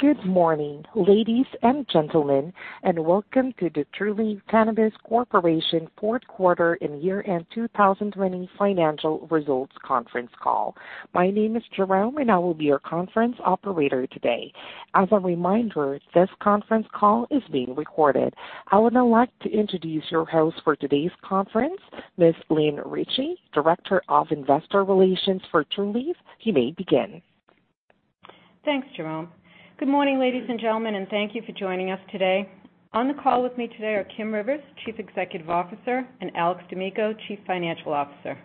Good morning, ladies and gentlemen, welcome to the Trulieve Cannabis Corp. fourth quarter and year-end 2020 financial results conference call. My name is Jerome, and I will be your conference operator today. As a reminder, this conference call is being recorded. I would now like to introduce your host for today's conference, Ms. Lynn Ricci, Director of Investor Relations for Trulieve. You may begin. Thanks, Jerome. Good morning, ladies and gentlemen, and thank you for joining us today. On the call with me today are Kim Rivers, Chief Executive Officer, and Alex D'Amico, Chief Financial Officer.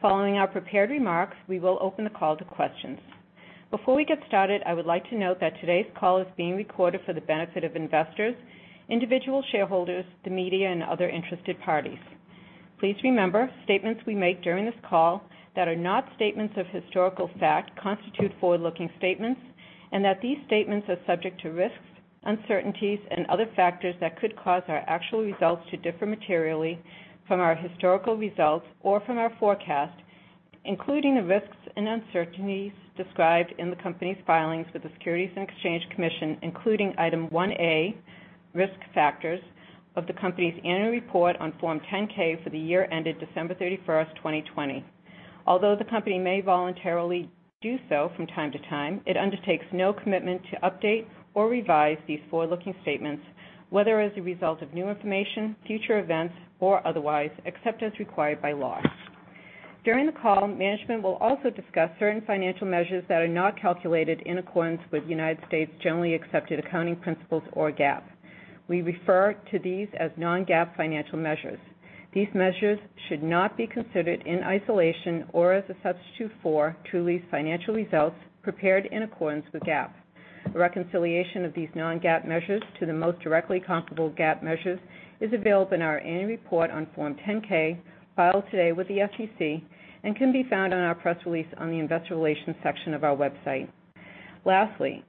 Following our prepared remarks, we will open the call to questions. Before we get started, I would like to note that today's call is being recorded for the benefit of investors, individual shareholders, the media, and other interested parties. Please remember, statements we make during this call that are not statements of historical fact constitute forward-looking statements, and that these statements are subject to risks, uncertainties, and other factors that could cause our actual results to differ materially from our historical results or from our forecast, including the risks and uncertainties described in the company's filings with the Securities and Exchange Commission, including Item 1A, Risk Factors, of the company's annual report on Form 10-K for the year ended December 31st, 2020. Although the company may voluntarily do so from time to time, it undertakes no commitment to update or revise these forward-looking statements, whether as a result of new information, future events, or otherwise, except as required by law. During the call, management will also discuss certain financial measures that are not calculated in accordance with United States generally accepted accounting principles, or GAAP. We refer to these as non-GAAP financial measures. These measures should not be considered in isolation or as a substitute for Trulieve's financial results prepared in accordance with GAAP. A reconciliation of these non-GAAP measures to the most directly comparable GAAP measures is available in our annual report on Form 10-K filed today with the SEC and can be found in our press release on the investor relations section of our website. Lastly,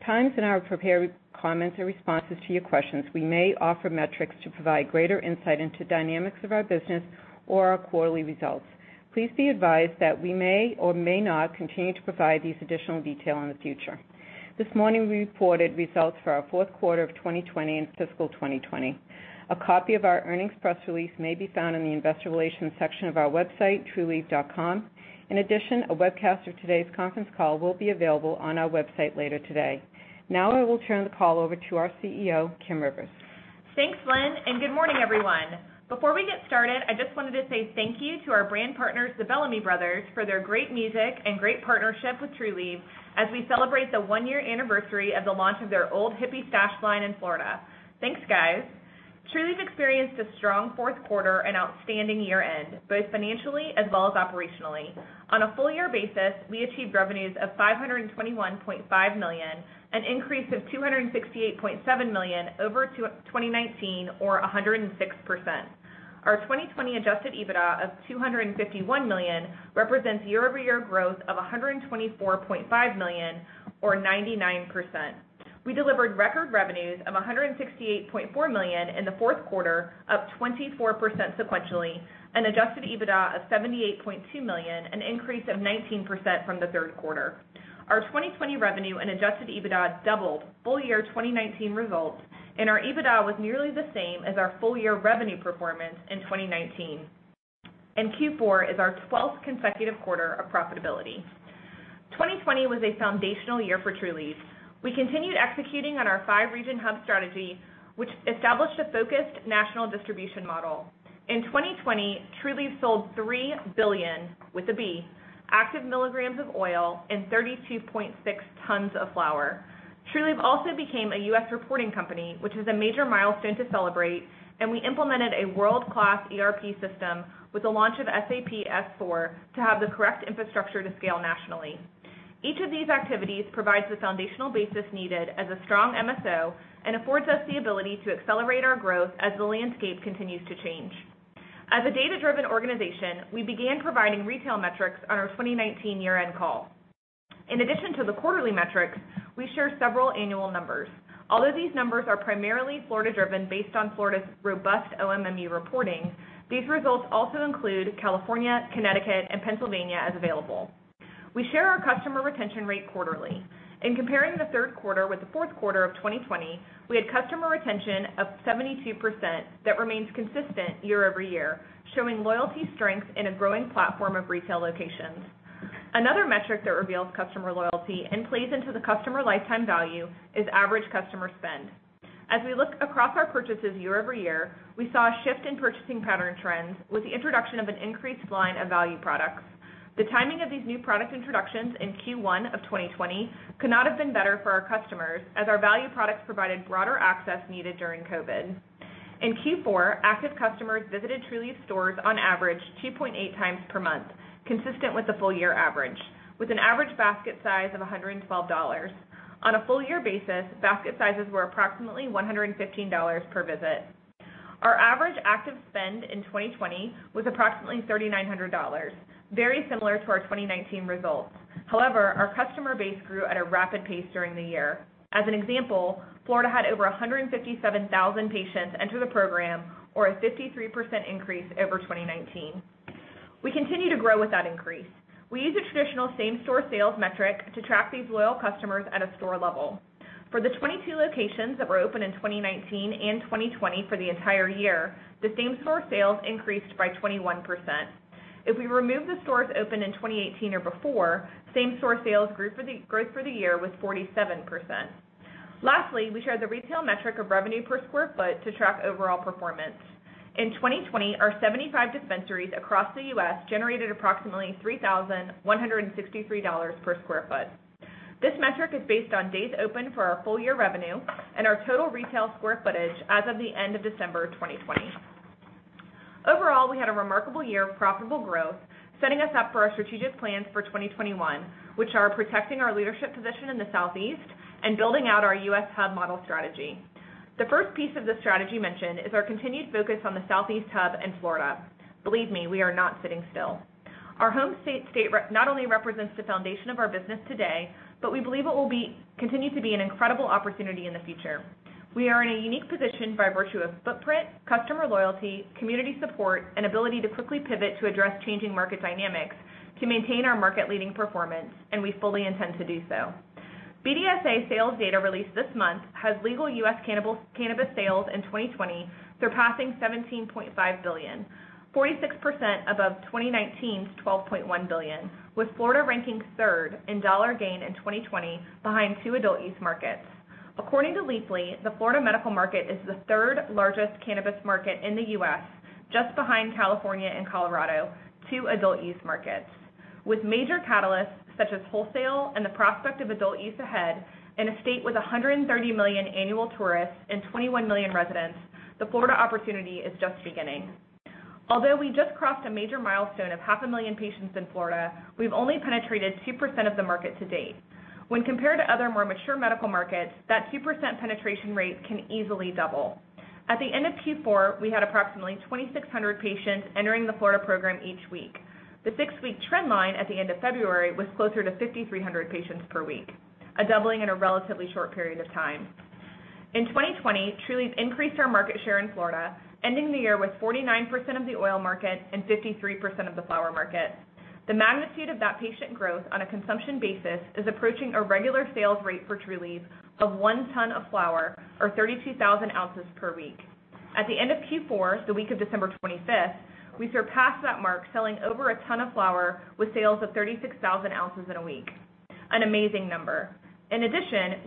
at times in our prepared comments and responses to your questions, we may offer metrics to provide greater insight into dynamics of our business or our quarterly results. Please be advised that we may or may not continue to provide these additional detail in the future. This morning, we reported results for our fourth quarter of 2020 and fiscal 2020. A copy of our earnings press release may be found in the investor relations section of our website, trulieve.com. In addition, a webcast of today's conference call will be available on our website later today. Now, I will turn the call over to our CEO, Kim Rivers. Thanks, Lynn. Good morning, everyone. Before we get started, I just wanted to say thank you to our brand partners, the Bellamy Brothers, for their great music and great partnership with Trulieve as we celebrate the one-year anniversary of the launch of their Old Hippie Stash line in Florida. Thanks, guys. Trulieve experienced a strong fourth quarter and outstanding year-end, both financially as well as operationally. On a full-year basis, we achieved revenues of $521.5 million, an increase of $268.7 million over 2019, or 106%. Our 2020 adjusted EBITDA of $251 million represents year-over-year growth of $124.5 million, or 99%. We delivered record revenues of $168.4 million in the fourth quarter, up 24% sequentially, and adjusted EBITDA of $78.2 million, an increase of 19% from the third quarter. Our 2020 revenue and adjusted EBITDA doubled full-year 2019 results. Our EBITDA was nearly the same as our full-year revenue performance in 2019. Q4 is our 12th consecutive quarter of profitability. 2020 was a foundational year for Trulieve. We continued executing on our five-region hub strategy, which established a focused national distribution model. In 2020, Trulieve sold 3 billion, with a B, active milligrams of oil and 32.6 tons of flower. Trulieve also became a U.S. reporting company, which is a major milestone to celebrate, and we implemented a world-class ERP system with the launch of SAP S/4 to have the correct infrastructure to scale nationally. Each of these activities provides the foundational basis needed as a strong MSO and affords us the ability to accelerate our growth as the landscape continues to change. As a data-driven organization, we began providing retail metrics on our 2019 year-end call. In addition to the quarterly metrics, we share several annual numbers. Although these numbers are primarily Florida-driven, based on Florida's robust OMMU reporting, these results also include California, Connecticut, and Pennsylvania as available. We share our customer retention rate quarterly. In comparing the third quarter with the fourth quarter of 2020, we had customer retention of 72% that remains consistent year-over-year, showing loyalty strength in a growing platform of retail locations. Another metric that reveals customer loyalty and plays into the customer lifetime value is average customer spend. As we look across our purchases year-over-year, we saw a shift in purchasing pattern trends with the introduction of an increased line of value products. The timing of these new product introductions in Q1 of 2020 could not have been better for our customers as our value products provided broader access needed during COVID. In Q4, active customers visited Trulieve stores on average 2.8x per month, consistent with the full-year average, with an average basket size of $112. On a full-year basis, basket sizes were approximately $115 per visit. Our average active spend in 2020 was approximately $3,900, very similar to our 2019 results. However, our customer base grew at a rapid pace during the year. As an example, Florida had over 157,000 patients enter the program, or a 53% increase over 2019. We continue to grow with that increase. We use a traditional same-store sales metric to track these loyal customers at a store level. For the 22 locations that were open in 2019 and 2020 for the entire year, the same-store sales increased by 21%. If we remove the stores opened in 2018 or before, same-store sales growth for the year was 47%. Lastly, we share the retail metric of revenue per square foot to track overall performance. In 2020, our 75 dispensaries across the U.S. generated approximately $3,163 per square foot. This metric is based on days open for our full year revenue and our total retail square footage as of the end of December 2020. Overall, we had a remarkable year of profitable growth, setting us up for our strategic plans for 2021, which are protecting our leadership position in the Southeast and building out our U.S. hub model strategy. The first piece of the strategy mentioned is our continued focus on the Southeast hub in Florida. Believe me, we are not sitting still. Our home state not only represents the foundation of our business today, but we believe it will continue to be an incredible opportunity in the future. We are in a unique position by virtue of footprint, customer loyalty, community support, and ability to quickly pivot to address changing market dynamics, to maintain our market-leading performance, and we fully intend to do so. BDSA sales data released this month has legal U.S. cannabis sales in 2020 surpassing $17.5 billion, 46% above 2019's $12.1 billion, with Florida ranking third in dollar gain in 2020 behind two adult-use markets. According to Leafly, the Florida medical market is the third-largest cannabis market in the U.S., just behind California and Colorado, two adult-use markets. With major catalysts such as wholesale and the prospect of adult use ahead, in a state with 130 million annual tourists and 21 million residents, the Florida opportunity is just beginning. Although we just crossed a major milestone of half a million patients in Florida, we've only penetrated 2% of the market to date. When compared to other more mature medical markets, that 2% penetration rate can easily double. At the end of Q4, we had approximately 2,600 patients entering the Florida program each week. The six-week trend line at the end of February was closer to 5,300 patients per week, a doubling in a relatively short period of time. In 2020, Trulieve increased our market share in Florida, ending the year with 49% of the oil market and 53% of the flower market. The magnitude of that patient growth on a consumption basis is approaching a regular sales rate for Trulieve of one ton of flower or 32,000 ounces per week. At the end of Q4, the week of December 25th, we surpassed that mark selling over a ton of flower with sales of 36,000 ounces in a week. An amazing number.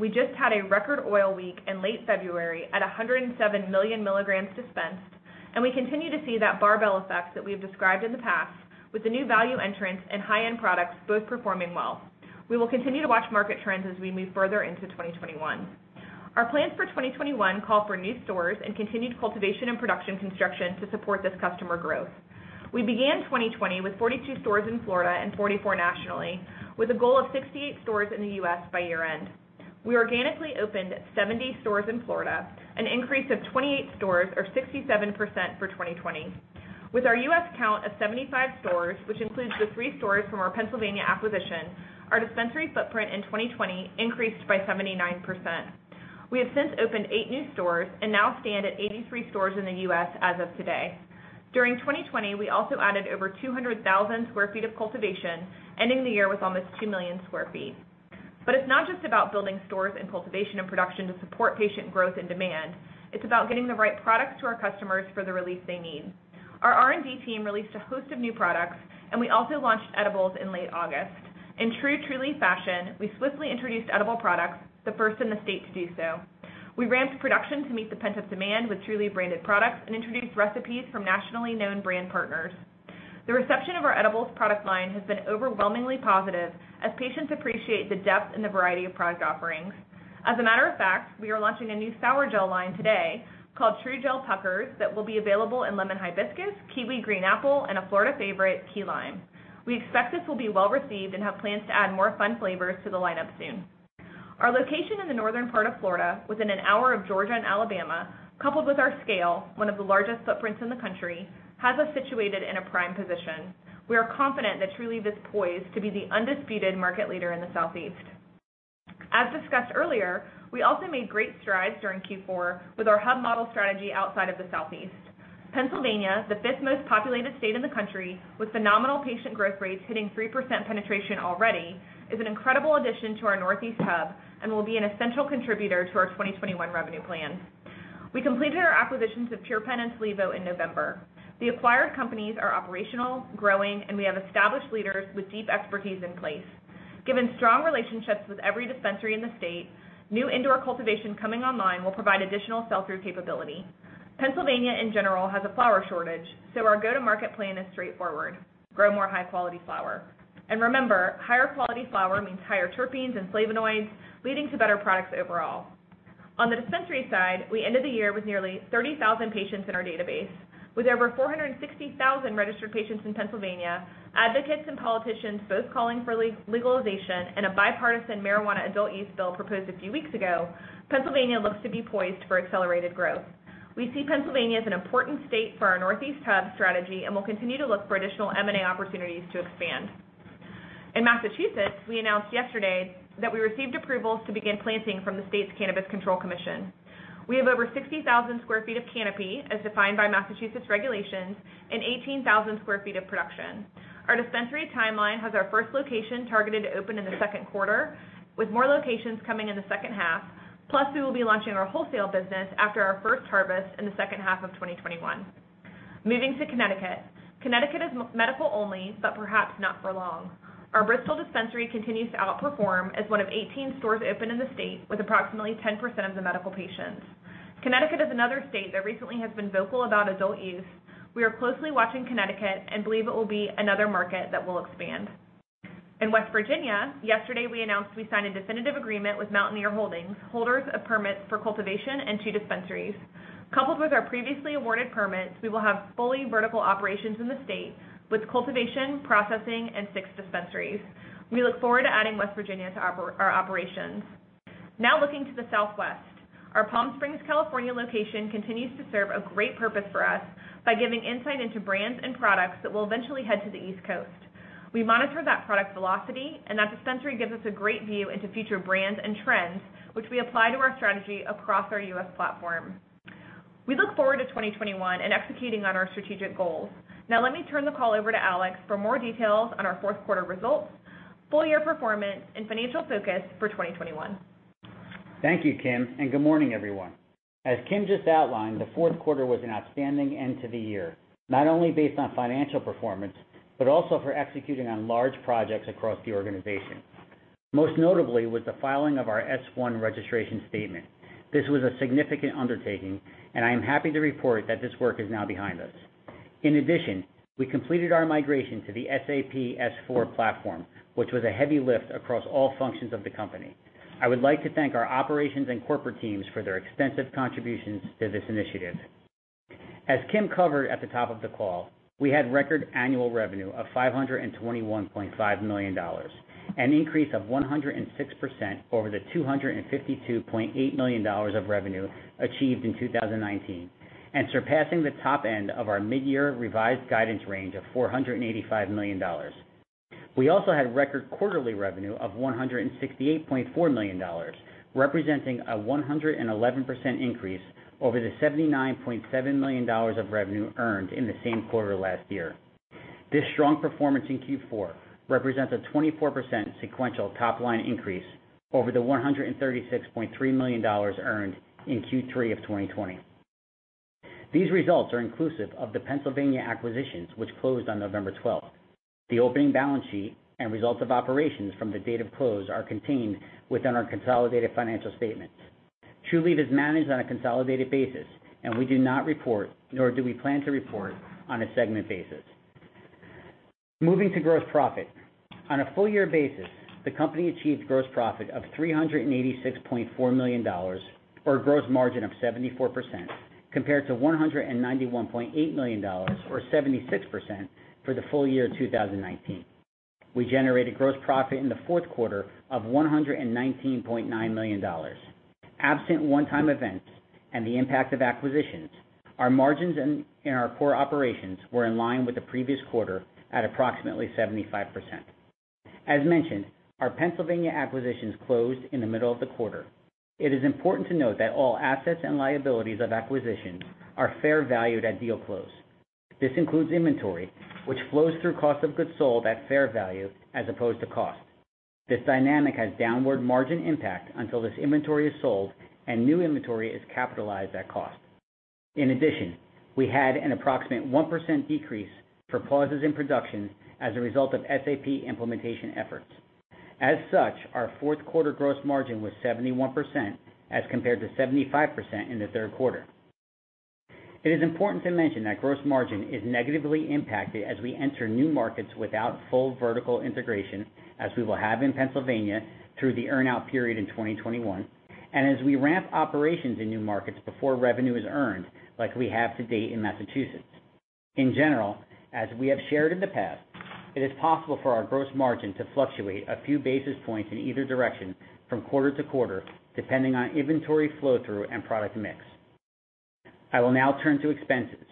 We just had a record oil week in late February at 107 million milligrams dispensed, and we continue to see that barbell effect that we've described in the past with the new value entrants and high-end products both performing well. We will continue to watch market trends as we move further into 2021. Our plans for 2021 call for new stores and continued cultivation and production construction to support this customer growth. We began 2020 with 42 stores in Florida and 44 nationally, with a goal of 68 stores in the U.S. by year-end. We organically opened 70 stores in Florida, an increase of 28 stores or 67% for 2020. With our U.S. count of 75 stores, which includes the 3 stores from our Pennsylvania acquisition, our dispensary footprint in 2020 increased by 79%. We have since opened eight new stores and now stand at 83 stores in the U.S. as of today. During 2020, we also added over 200,000 sq ft of cultivation, ending the year with almost 2 million sq ft. It's not just about building stores and cultivation and production to support patient growth and demand. It's about getting the right products to our customers for the relief they need. Our R&D team released a host of new products, and we also launched edibles in late August. In true Trulieve fashion, we swiftly introduced edible products, the first in the state to do so. We ramped production to meet the pent-up demand with Trulieve-branded products and introduced recipes from nationally known brand partners. The reception of our edibles product line has been overwhelmingly positive as patients appreciate the depth and the variety of product offerings. As a matter of fact, we are launching a new sour gel line today called TruGel Puckers that will be available in lemon hibiscus, kiwi green apple, and a Florida favorite, key lime. We expect this will be well-received and have plans to add more fun flavors to the lineup soon. Our location in the northern part of Florida, within an hour of Georgia and Alabama, coupled with our scale, one of the largest footprints in the country, has us situated in a prime position. We are confident that Trulieve is poised to be the undisputed market leader in the Southeast. As discussed earlier, we also made great strides during Q4 with our hub model strategy outside of the Southeast. Pennsylvania, the fifth most populated state in the country, with phenomenal patient growth rates hitting 3% penetration already, is an incredible addition to our Northeast hub and will be an essential contributor to our 2021 revenue plan. We completed our acquisitions of PurePenn and Solevo in November. The acquired companies are operational, growing, and we have established leaders with deep expertise in place. Given strong relationships with every dispensary in the state, new indoor cultivation coming online will provide additional sell-through capability. Pennsylvania, in general, has a flower shortage, our go-to-market plan is straightforward: grow more high-quality flower. Remember, higher-quality flower means higher terpenes and flavonoids, leading to better products overall. On the dispensary side, we ended the year with nearly 30,000 patients in our database. With over 460,000 registered patients in Pennsylvania, advocates and politicians both calling for legalization and a bipartisan marijuana adult use bill proposed a few weeks ago, Pennsylvania looks to be poised for accelerated growth. We see Pennsylvania as an important state for our Northeast hub strategy and will continue to look for additional M&A opportunities to expand. In Massachusetts, we announced yesterday that we received approvals to begin planting from the state's Cannabis Control Commission. We have over 60,000 sq ft of canopy, as defined by Massachusetts regulations, and 18,000 sq ft of production. Our dispensary timeline has our first location targeted to open in the second quarter, with more locations coming in the second half. We will be launching our wholesale business after our first harvest in the second half of 2021. Moving to Connecticut. Connecticut is medical only, perhaps not for long. Our Bristol dispensary continues to outperform as one of 18 stores open in the state with approximately 10% of the medical patients. Connecticut is another state that recently has been vocal about adult use. We are closely watching Connecticut and believe it will be another market that will expand. In West Virginia, yesterday, we announced we signed a definitive agreement with Mountaineer Holdings, holders of permits for cultivation and two dispensaries. Coupled with our previously awarded permits, we will have fully vertical operations in the state with cultivation, processing, and six dispensaries. We look forward to adding West Virginia to our operations. Now looking to the Southwest. Our Palm Springs, California location continues to serve a great purpose for us by giving insight into brands and products that will eventually head to the East Coast. We monitor that product velocity, and that dispensary gives us a great view into future brands and trends, which we apply to our strategy across our U.S. platform. We look forward to 2021 and executing on our strategic goals. Now let me turn the call over to Alex for more details on our fourth quarter results, full-year performance, and financial focus for 2021. Thank you, Kim, and good morning, everyone. As Kim just outlined, the fourth quarter was an outstanding end to the year, not only based on financial performance, but also for executing on large projects across the organization. Most notably was the filing of our S-1 registration statement. This was a significant undertaking, and I am happy to report that this work is now behind us. In addition, we completed our migration to the SAP S/4 platform, which was a heavy lift across all functions of the company. I would like to thank our operations and corporate teams for their extensive contributions to this initiative. As Kim covered at the top of the call, we had record annual revenue of $521.5 million, an increase of 106% over the $252.8 million of revenue achieved in 2019 and surpassing the top end of our mid-year revised guidance range of $485 million. We also had record quarterly revenue of $168.4 million, representing a 111% increase over the $79.7 million of revenue earned in the same quarter last year. This strong performance in Q4 represents a 24% sequential top-line increase over the $136.3 million earned in Q3 of 2020. These results are inclusive of the Pennsylvania acquisitions, which closed on November 12th. The opening balance sheet and results of operations from the date of close are contained within our consolidated financial statements. Trulieve is managed on a consolidated basis, and we do not report nor do we plan to report on a segment basis. Moving to gross profit. On a full-year basis, the company achieved gross profit of $386.4 million or a gross margin of 74%, compared to $191.8 million or 76% for the full year 2019. We generated gross profit in the fourth quarter of $119.9 million. Absent one-time events and the impact of acquisitions, our margins in our core operations were in line with the previous quarter at approximately 75%. As mentioned, our Pennsylvania acquisitions closed in the middle of the quarter. It is important to note that all assets and liabilities of acquisition are fair valued at deal close. This includes inventory, which flows through cost of goods sold at fair value as opposed to cost. This dynamic has downward margin impact until this inventory is sold and new inventory is capitalized at cost. In addition, we had an approximate 1% decrease for pauses in production as a result of SAP implementation efforts. As such, our fourth quarter gross margin was 71% as compared to 75% in the third quarter. It is important to mention that gross margin is negatively impacted as we enter new markets without full vertical integration, as we will have in Pennsylvania through the earn-out period in 2021, and as we ramp operations in new markets before revenue is earned, like we have to date in Massachusetts. In general, as we have shared in the past, it is possible for our gross margin to fluctuate a few basis points in either direction from quarter to quarter, depending on inventory flow-through and product mix. I will now turn to expenses.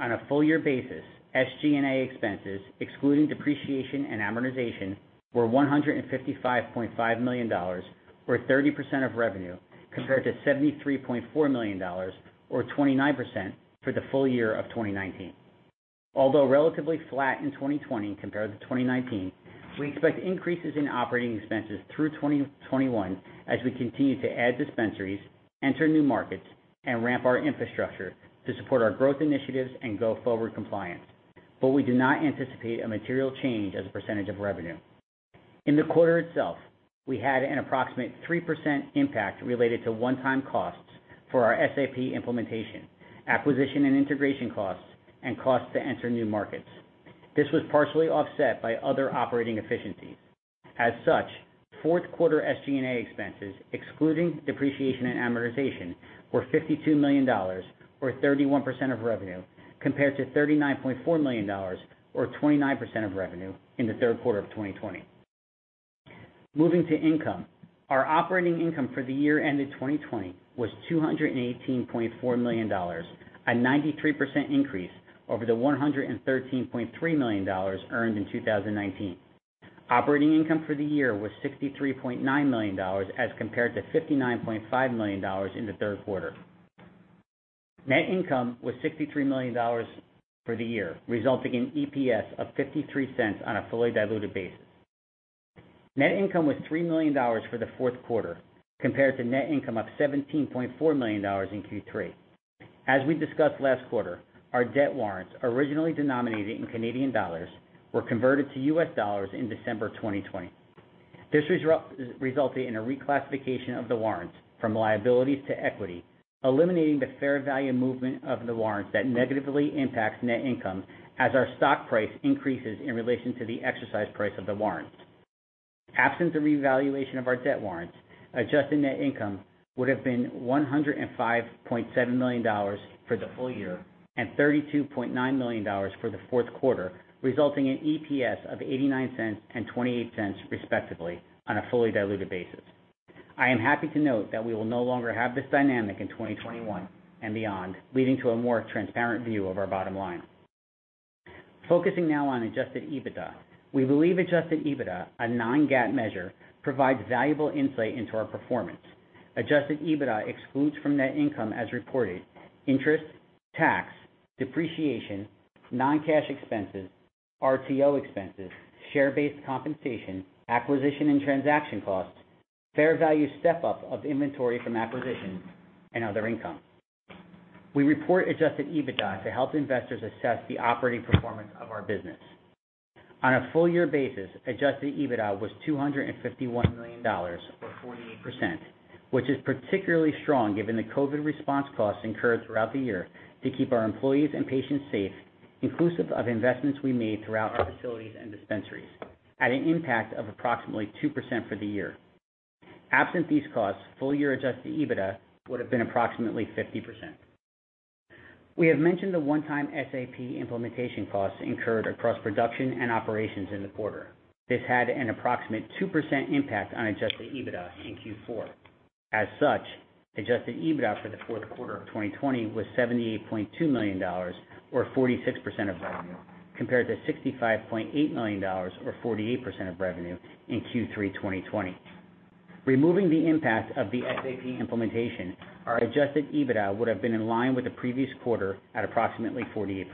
On a full-year basis, SG&A expenses, excluding depreciation and amortization, were $155.5 million, or 30% of revenue, compared to $73.4 million, or 29%, for the full year of 2019. Although relatively flat in 2020 compared to 2019, we expect increases in operating expenses through 2021 as we continue to add dispensaries, enter new markets, and ramp our infrastructure to support our growth initiatives and go-forward compliance. We do not anticipate a material change as a percentage of revenue. In the quarter itself, we had an approximate 3% impact related to one-time costs for our SAP implementation, acquisition and integration costs, and costs to enter new markets. This was partially offset by other operating efficiencies. As such, fourth quarter SG&A expenses, excluding depreciation and amortization, were $52 million, or 31% of revenue, compared to $39.4 million, or 29% of revenue, in the third quarter of 2020. Moving to income. Our operating income for the year ended 2020 was $218.4 million, a 93% increase over the $113.3 million earned in 2019. Operating income for the year was $63.9 million as compared to $59.5 million in the third quarter. Net income was $63 million for the year, resulting in EPS of $0.53 on a fully diluted basis. Net income was $3 million for the fourth quarter compared to net income of $17.4 million in Q3. As we discussed last quarter, our debt warrants originally denominated in Canadian dollars were converted to U.S. dollars in December 2020. This resulted in a reclassification of the warrants from liabilities to equity, eliminating the fair value movement of the warrants that negatively impacts net income as our stock price increases in relation to the exercise price of the warrants. Absent the revaluation of our debt warrants, adjusted net income would have been $105.7 million for the full year and $32.9 million for the fourth quarter, resulting in EPS of $0.89 and $0.28 respectively on a fully diluted basis. I am happy to note that we will no longer have this dynamic in 2021 and beyond, leading to a more transparent view of our bottom line. Focusing now on adjusted EBITDA. We believe adjusted EBITDA, a non-GAAP measure, provides valuable insight into our performance. Adjusted EBITDA excludes from net income as reported interest, tax, depreciation, non-cash expenses, RTO expenses, share-based compensation, acquisition and transaction costs, fair value step-up of inventory from acquisitions, and other income. We report adjusted EBITDA to help investors assess the operating performance of our business. On a full-year basis, adjusted EBITDA was $251 million or 48%, which is particularly strong given the COVID response costs incurred throughout the year to keep our employees and patients safe, inclusive of investments we made throughout our facilities and dispensaries at an impact of approximately 2% for the year. Absent these costs, full-year adjusted EBITDA would have been approximately 50%. We have mentioned the one-time SAP implementation costs incurred across production and operations in the quarter. This had an approximate 2% impact on adjusted EBITDA in Q4. As such, adjusted EBITDA for the fourth quarter of 2020 was $78.2 million or 46% of revenue, compared to $65.8 million or 48% of revenue in Q3 2020. Removing the impact of the SAP implementation, our adjusted EBITDA would have been in line with the previous quarter at approximately 48%.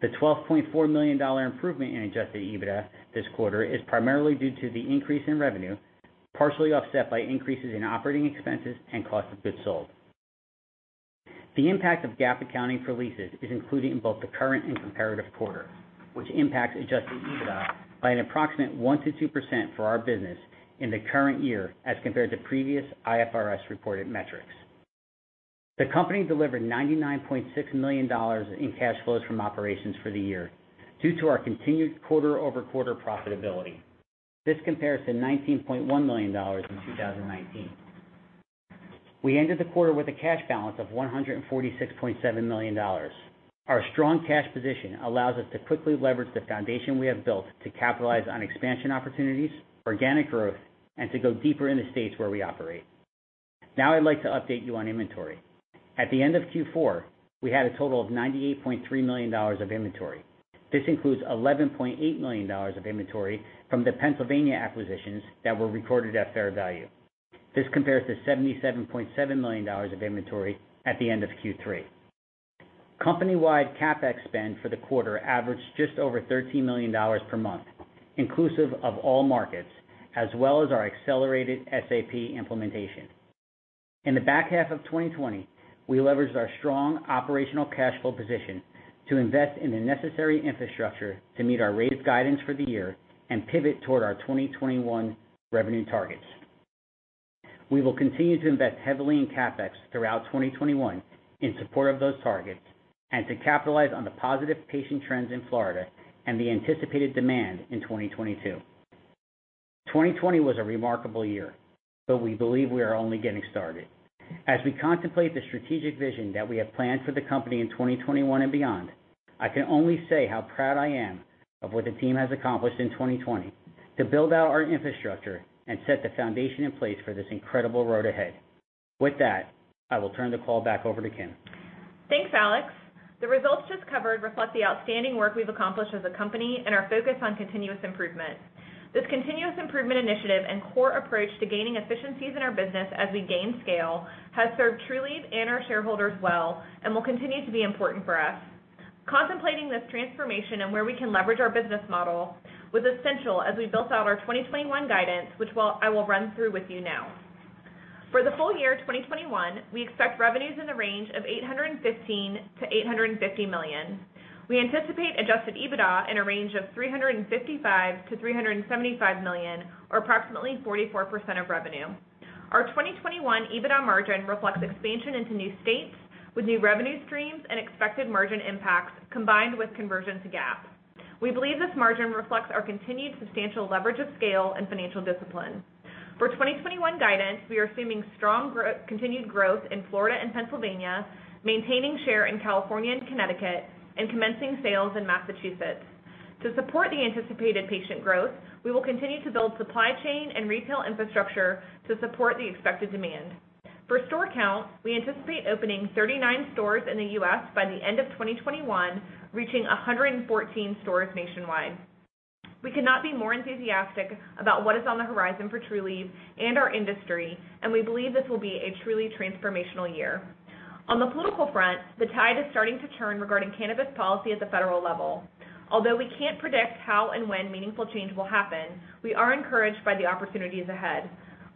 The $12.4 million improvement in adjusted EBITDA this quarter is primarily due to the increase in revenue, partially offset by increases in operating expenses and cost of goods sold. The impact of GAAP accounting for leases is included in both the current and comparative quarter, which impacts adjusted EBITDA by an approximate 1%-2% for our business in the current year as compared to previous IFRS-reported metrics. The company delivered $99.6 million in cash flows from operations for the year due to our continued quarter-over-quarter profitability. This compares to $19.1 million in 2019. We ended the quarter with a cash balance of $146.7 million. Our strong cash position allows us to quickly leverage the foundation we have built to capitalize on expansion opportunities, organic growth, and to go deeper in the states where we operate. Now I'd like to update you on inventory. At the end of Q4, we had a total of $98.3 million of inventory. This includes $11.8 million of inventory from the Pennsylvania acquisitions that were recorded at fair value. This compares to $77.7 million of inventory at the end of Q3. Company-wide CapEx spend for the quarter averaged just over $13 million per month, inclusive of all markets, as well as our accelerated SAP implementation. In the back half of 2020, we leveraged our strong operational cash flow position to invest in the necessary infrastructure to meet our rate of guidance for the year and pivot toward our 2021 revenue targets. We will continue to invest heavily in CapEx throughout 2021 in support of those targets and to capitalize on the positive patient trends in Florida and the anticipated demand in 2022. 2020 was a remarkable year, but we believe we are only getting started. As we contemplate the strategic vision that we have planned for the company in 2021 and beyond, I can only say how proud I am of what the team has accomplished in 2020 to build out our infrastructure and set the foundation in place for this incredible road ahead. With that, I will turn the call back over to Kim. Thanks, Alex. The results just covered reflect the outstanding work we've accomplished as a company and our focus on continuous improvement. This continuous improvement initiative and core approach to gaining efficiencies in our business as we gain scale has served Trulieve and our shareholders well and will continue to be important for us. Contemplating this transformation and where we can leverage our business model was essential as we built out our 2021 guidance, which I will run through with you now. For the full year 2021, we expect revenues in the range of $815 million-$850 million. We anticipate adjusted EBITDA in a range of $355 million-$375 million or approximately 44% of revenue. Our 2021 EBITDA margin reflects expansion into new states with new revenue streams and expected margin impacts combined with conversion to GAAP. We believe this margin reflects our continued substantial leverage of scale and financial discipline. For 2021 guidance, we are assuming strong continued growth in Florida and Pennsylvania, maintaining share in California and Connecticut, and commencing sales in Massachusetts. To support the anticipated patient growth, we will continue to build supply chain and retail infrastructure to support the expected demand. For store count, we anticipate opening 39 stores in the U.S. by the end of 2021, reaching 114 stores nationwide. We cannot be more enthusiastic about what is on the horizon for Trulieve and our industry, and we believe this will be a truly transformational year. On the political front, the tide is starting to turn regarding cannabis policy at the federal level. Although we can't predict how and when meaningful change will happen, we are encouraged by the opportunities ahead.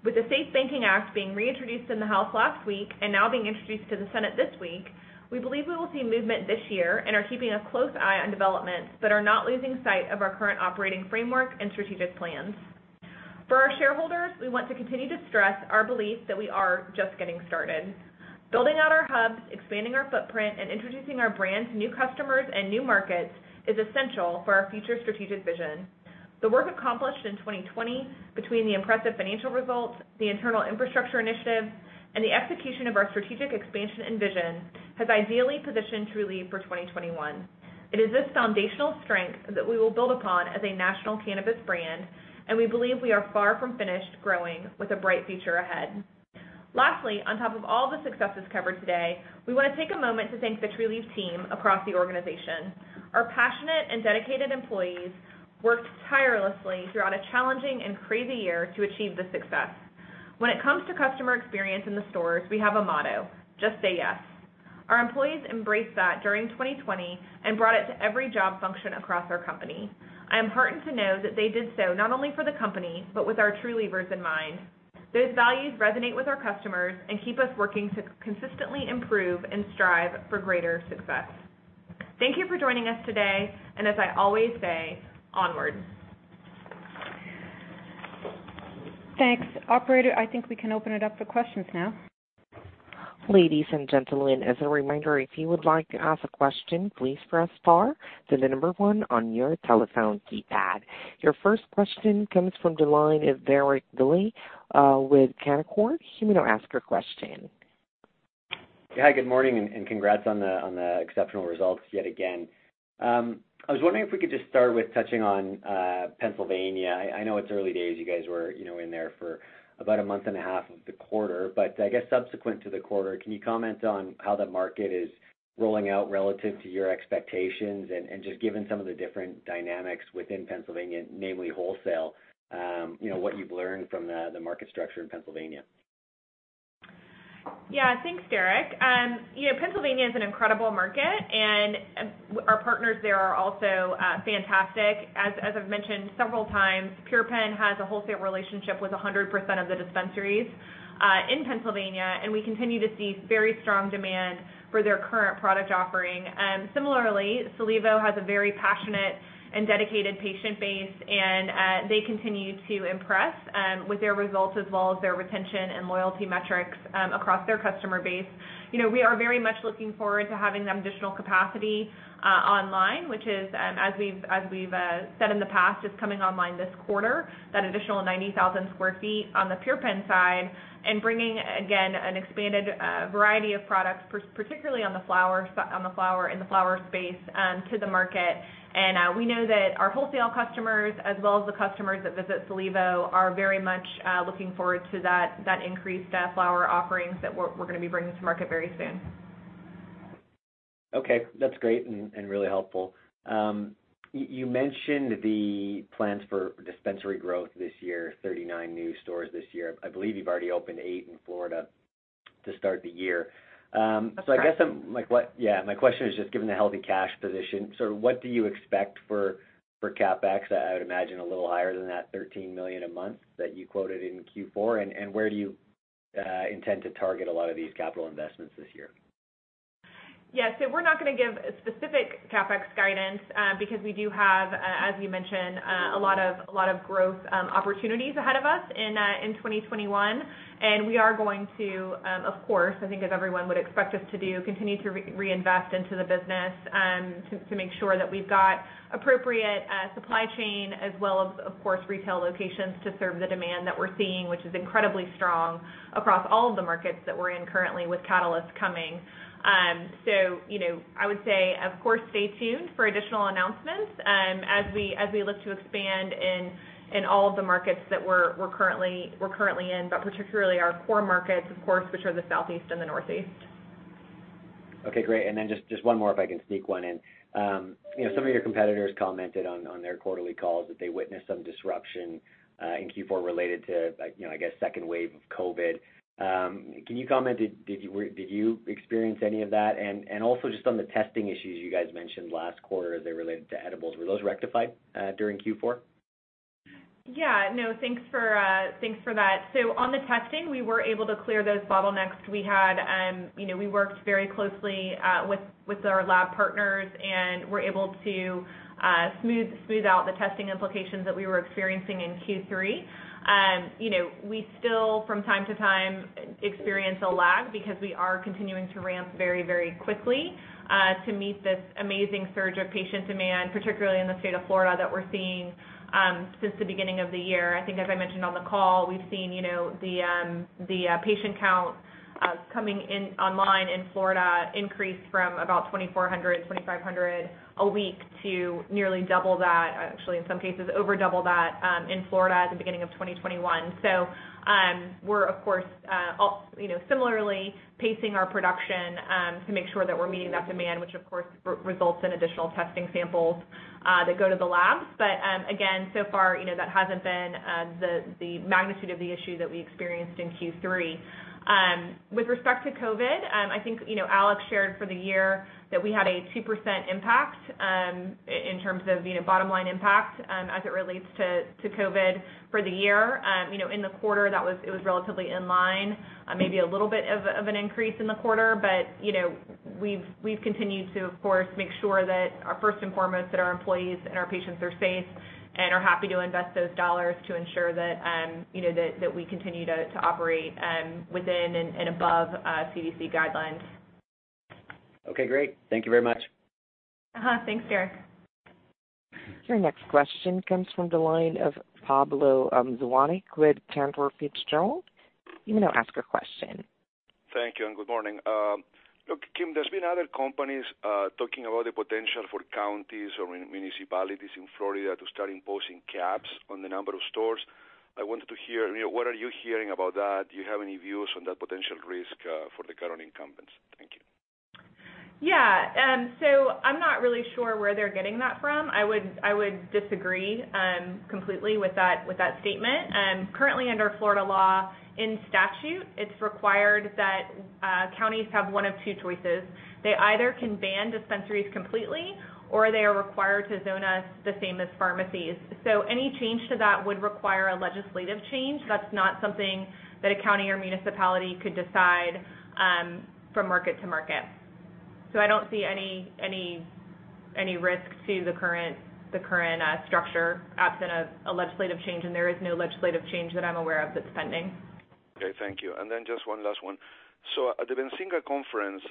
With the SAFE Banking Act being reintroduced in the House last week, now being introduced to the Senate this week, we believe we will see movement this year and are keeping a close eye on developments, but are not losing sight of our current operating framework and strategic plans. For our shareholders, we want to continue to stress our belief that we are just getting started. Building out our hubs, expanding our footprint, introducing our brand to new customers and new markets is essential for our future strategic vision. The work accomplished in 2020, between the impressive financial results, the internal infrastructure initiatives, and the execution of our strategic expansion and vision, has ideally positioned Trulieve for 2021. It is this foundational strength that we will build upon as a national cannabis brand. We believe we are far from finished growing, with a bright future ahead. Lastly, on top of all the successes covered today, we want to take a moment to thank the Trulieve team across the organization. Our passionate and dedicated employees worked tirelessly throughout a challenging and crazy year to achieve this success. When it comes to customer experience in the stores, we have a motto: just say yes. Our employees embraced that during 2020 and brought it to every job function across our company. I am heartened to know that they did so not only for the company, but with our Trulievers in mind. Those values resonate with our customers and keep us working to consistently improve and strive for greater success. Thank you for joining us today, and as I always say, onward. Thanks. Operator, I think we can open it up for questions now. Ladies and gentlemen, as a reminder, if you would like to ask a question, please press star, then the number one on your telephone keypad. Your first question comes from the line of Derek Dley with Canaccord. You may now ask your question. Hi, good morning, congrats on the exceptional results yet again. I was wondering if we could just start with touching on Pennsylvania. I know it's early days. You guys were in there for about a month and a half of the quarter, but I guess subsequent to the quarter, can you comment on how that market is rolling out relative to your expectations and just given some of the different dynamics within Pennsylvania, namely wholesale, what you've learned from the market structure in Pennsylvania? Yeah. Thanks, Derek. Pennsylvania is an incredible market, and our partners there are also fantastic. As I've mentioned several times, PurePenn has a wholesale relationship with 100% of the dispensaries in Pennsylvania, and we continue to see very strong demand for their current product offering. Similarly, Solevo has a very passionate and dedicated patient base, and they continue to impress with their results as well as their retention and loyalty metrics across their customer base. We are very much looking forward to having the additional capacity online, which is, as we've said in the past, is coming online this quarter, that additional 90,000 sq ft on the PurePenn side, and bringing, again, an expanded variety of products, particularly in the flower space, to the market. We know that our wholesale customers, as well as the customers that visit Solevo, are very much looking forward to that increased flower offerings that we're going to be bringing to market very soon. Okay. That's great and really helpful. You mentioned the plans for dispensary growth this year, 39 new stores this year. I believe you've already opened eight in Florida to start the year. That's correct. Yeah. My question is just given the healthy cash position, so what do you expect for CapEx? I would imagine a little higher than that $13 million a month that you quoted in Q4, and where do you intend to target a lot of these capital investments this year? Yeah. We're not going to give specific CapEx guidance because we do have, as you mentioned, a lot of growth opportunities ahead of us in 2021. We are going to, of course, I think as everyone would expect us to do, continue to reinvest into the business to make sure that we've got appropriate supply chain as well as, of course, retail locations to serve the demand that we're seeing, which is incredibly strong across all of the markets that we're in currently, with Catalyst coming. I would say, of course, stay tuned for additional announcements as we look to expand in all of the markets that we're currently in, but particularly our core markets, of course, which are the Southeast and the Northeast. Okay, great. Then just one more, if I can sneak one in. Some of your competitors commented on their quarterly calls that they witnessed some disruption in Q4 related to, I guess, second wave of COVID. Can you comment, did you experience any of that? Also just on the testing issues you guys mentioned last quarter as they related to edibles, were those rectified during Q4? Thanks for that. On the testing, we were able to clear those bottlenecks we had. We worked very closely with our lab partners and were able to smooth out the testing implications that we were experiencing in Q3. We still, from time to time, experience a lag because we are continuing to ramp very quickly to meet this amazing surge of patient demand, particularly in the state of Florida, that we're seeing since the beginning of the year. I think, as I mentioned on the call, we've seen the patient count coming online in Florida increase from about 2,400, 2,500 a week to nearly double that. Actually, in some cases, over double that in Florida at the beginning of 2021. We're, of course, similarly pacing our production to make sure that we're meeting that demand, which of course, results in additional testing samples that go to the labs. Again, so far, that hasn't been the magnitude of the issue that we experienced in Q3. With respect to COVID, I think Alex shared for the year that we had a 2% impact in terms of bottom line impact as it relates to COVID for the year. In the quarter, it was relatively in line. Maybe a little bit of an increase in the quarter. We've continued to, of course, make sure that first and foremost, that our employees and our patients are safe, and are happy to invest those dollars to ensure that we continue to operate within and above CDC guidelines. Okay, great. Thank you very much. Thanks, Derek. Your next question comes from the line of Pablo Zuanic with Cantor Fitzgerald. You may now ask your question. Thank you. Good morning. Look, Kim, there's been other companies talking about the potential for counties or municipalities in Florida to start imposing caps on the number of stores. I wanted to hear, what are you hearing about that? Do you have any views on that potential risk for the current incumbents? Thank you. Yeah. I'm not really sure where they're getting that from. I would disagree completely with that statement. Currently, under Florida law, in statute, it's required that counties have one of two choices. They either can ban dispensaries completely, or they are required to zone us the same as pharmacies. Any change to that would require a legislative change. That's not something that a county or municipality could decide from market to market. I don't see any risk to the current structure absent of a legislative change, and there is no legislative change that I'm aware of that's pending. Okay, thank you. Just one last one. At the Benzinga conference,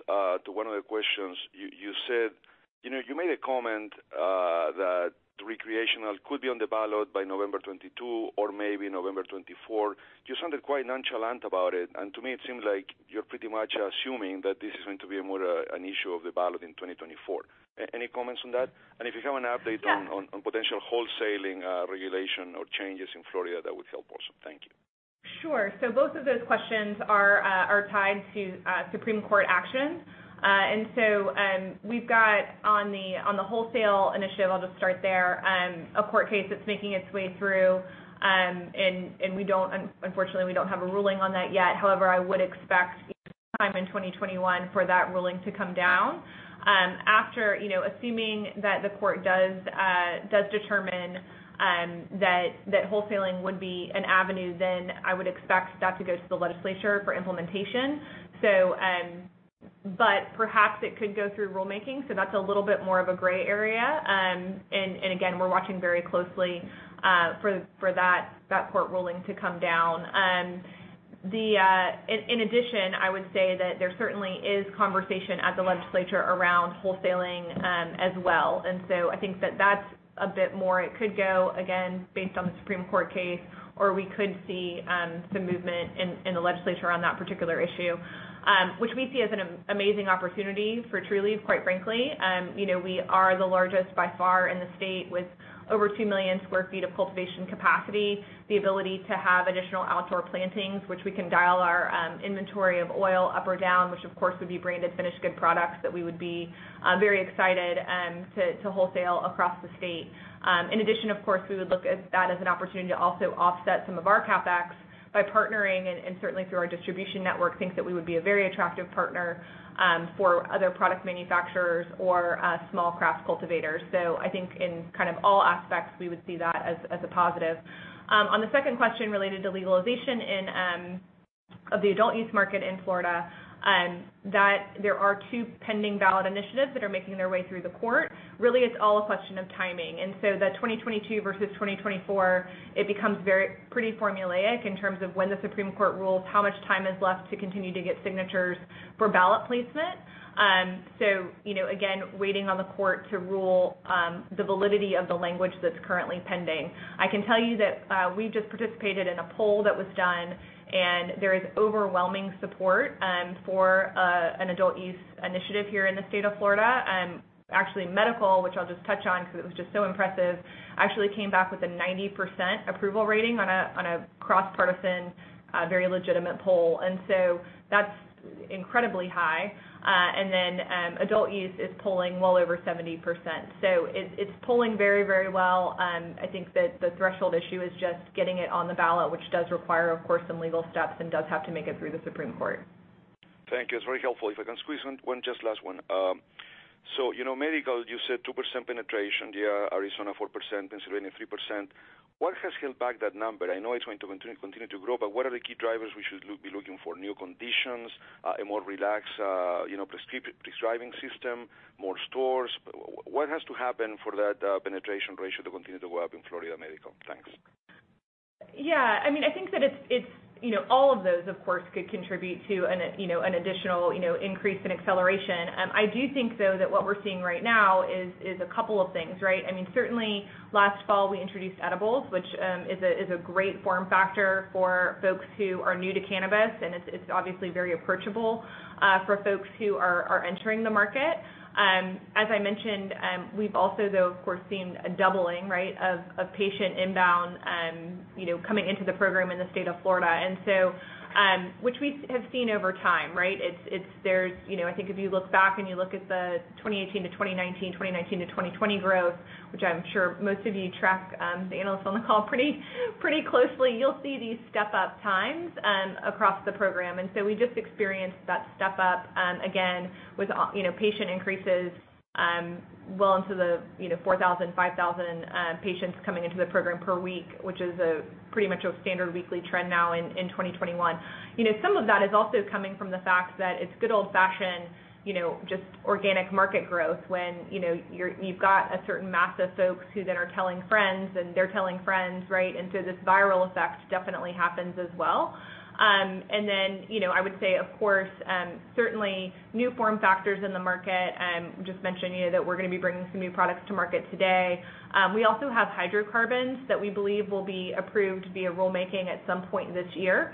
to one of the questions, you made a comment that recreational could be on the ballot by November 2022 or maybe November 2024. You sounded quite nonchalant about it, and to me, it seemed like you are pretty much assuming that this is going to be more an issue of the ballot in 2024. Any comments on that? If you have an update. Yeah. On potential wholesaling regulation or changes in Florida, that would help also. Thank you. Sure. Both of those questions are tied to Supreme Court action. We've got on the wholesale initiative, I'll just start there, a court case that's making its way through. Unfortunately, we don't have a ruling on that yet. However, I would expect sometime in 2021 for that ruling to come down. Assuming that the court does determine that wholesaling would be an avenue, then I would expect that to go to the legislature for implementation. Perhaps it could go through rulemaking, so that's a little bit more of a gray area. Again, we're watching very closely for that court ruling to come down. In addition, I would say that there certainly is conversation at the legislature around wholesaling as well. I think that that's a bit more, it could go, again, based on the Supreme Court case, or we could see some movement in the legislature on that particular issue, which we see as an amazing opportunity for Trulieve, quite frankly. We are the largest by far in the state, with over 2 million square feet of cultivation capacity. The ability to have additional outdoor plantings, which we can dial our inventory of oil up or down, which of course, would be branded finished good products that we would be very excited to wholesale across the state. In addition, of course, we would look at that as an opportunity to also offset some of our CapEx by partnering, and certainly through our distribution network, think that we would be a very attractive partner for other product manufacturers or small craft cultivators. I think in all aspects, we would see that as a positive. On the second question related to legalization of the adult use market in Florida, that there are two pending ballot initiatives that are making their way through the court. Really, it's all a question of timing. The 2022 versus 2024, it becomes pretty formulaic in terms of when the Supreme Court rules, how much time is left to continue to get signatures for ballot placement. Again, waiting on the court to rule the validity of the language that's currently pending. I can tell you that we just participated in a poll that was done, and there is overwhelming support for an adult use initiative here in the state of Florida. Actually, medical, which I'll just touch on because it was just so impressive, actually came back with a 90% approval rating on a cross-partisan, very legitimate poll. That's incredibly high. Adult use is polling well over 70%. It's polling very well. I think that the threshold issue is just getting it on the ballot, which does require, of course, some legal steps and does have to make it through the Supreme Court. Thank you. It's very helpful. If I can squeeze in just last one. Medical, you said 2% penetration, yeah. Arizona 4%, Pennsylvania 3%. What has held back that number? I know it's going to continue to grow, what are the key drivers we should be looking for? New conditions, a more relaxed prescribing system, more stores? What has to happen for that penetration ratio to continue to go up in Florida Medical? Thanks. Yeah. I think that all of those, of course, could contribute to an additional increase in acceleration. I do think, though, that what we're seeing right now is a couple of things, right? Certainly, last fall, we introduced edibles, which is a great form factor for folks who are new to cannabis, and it's obviously very approachable for folks who are entering the market. As I mentioned, we've also, though, of course, seen a doubling of patient inbound, coming into the program in the state of Florida, and so, which we have seen over time, right? I think if you look back and you look at the 2018 to 2019 to 2020 growth, which I'm sure most of you track, the analysts on the call pretty closely, you'll see these step-up times across the program. We just experienced that step-up again with patient increases well into the 4,000, 5,000 patients coming into the program per week, which is pretty much a standard weekly trend now in 2021. Some of that is also coming from the fact that it's good old-fashioned, just organic market growth when you've got a certain mass of folks who then are telling friends, and they're telling friends, right? This viral effect definitely happens as well. Then, I would say, of course, certainly new form factors in the market. Just mentioning to you that we're going to be bringing some new products to market today. We also have hydrocarbons that we believe will be approved via rulemaking at some point this year.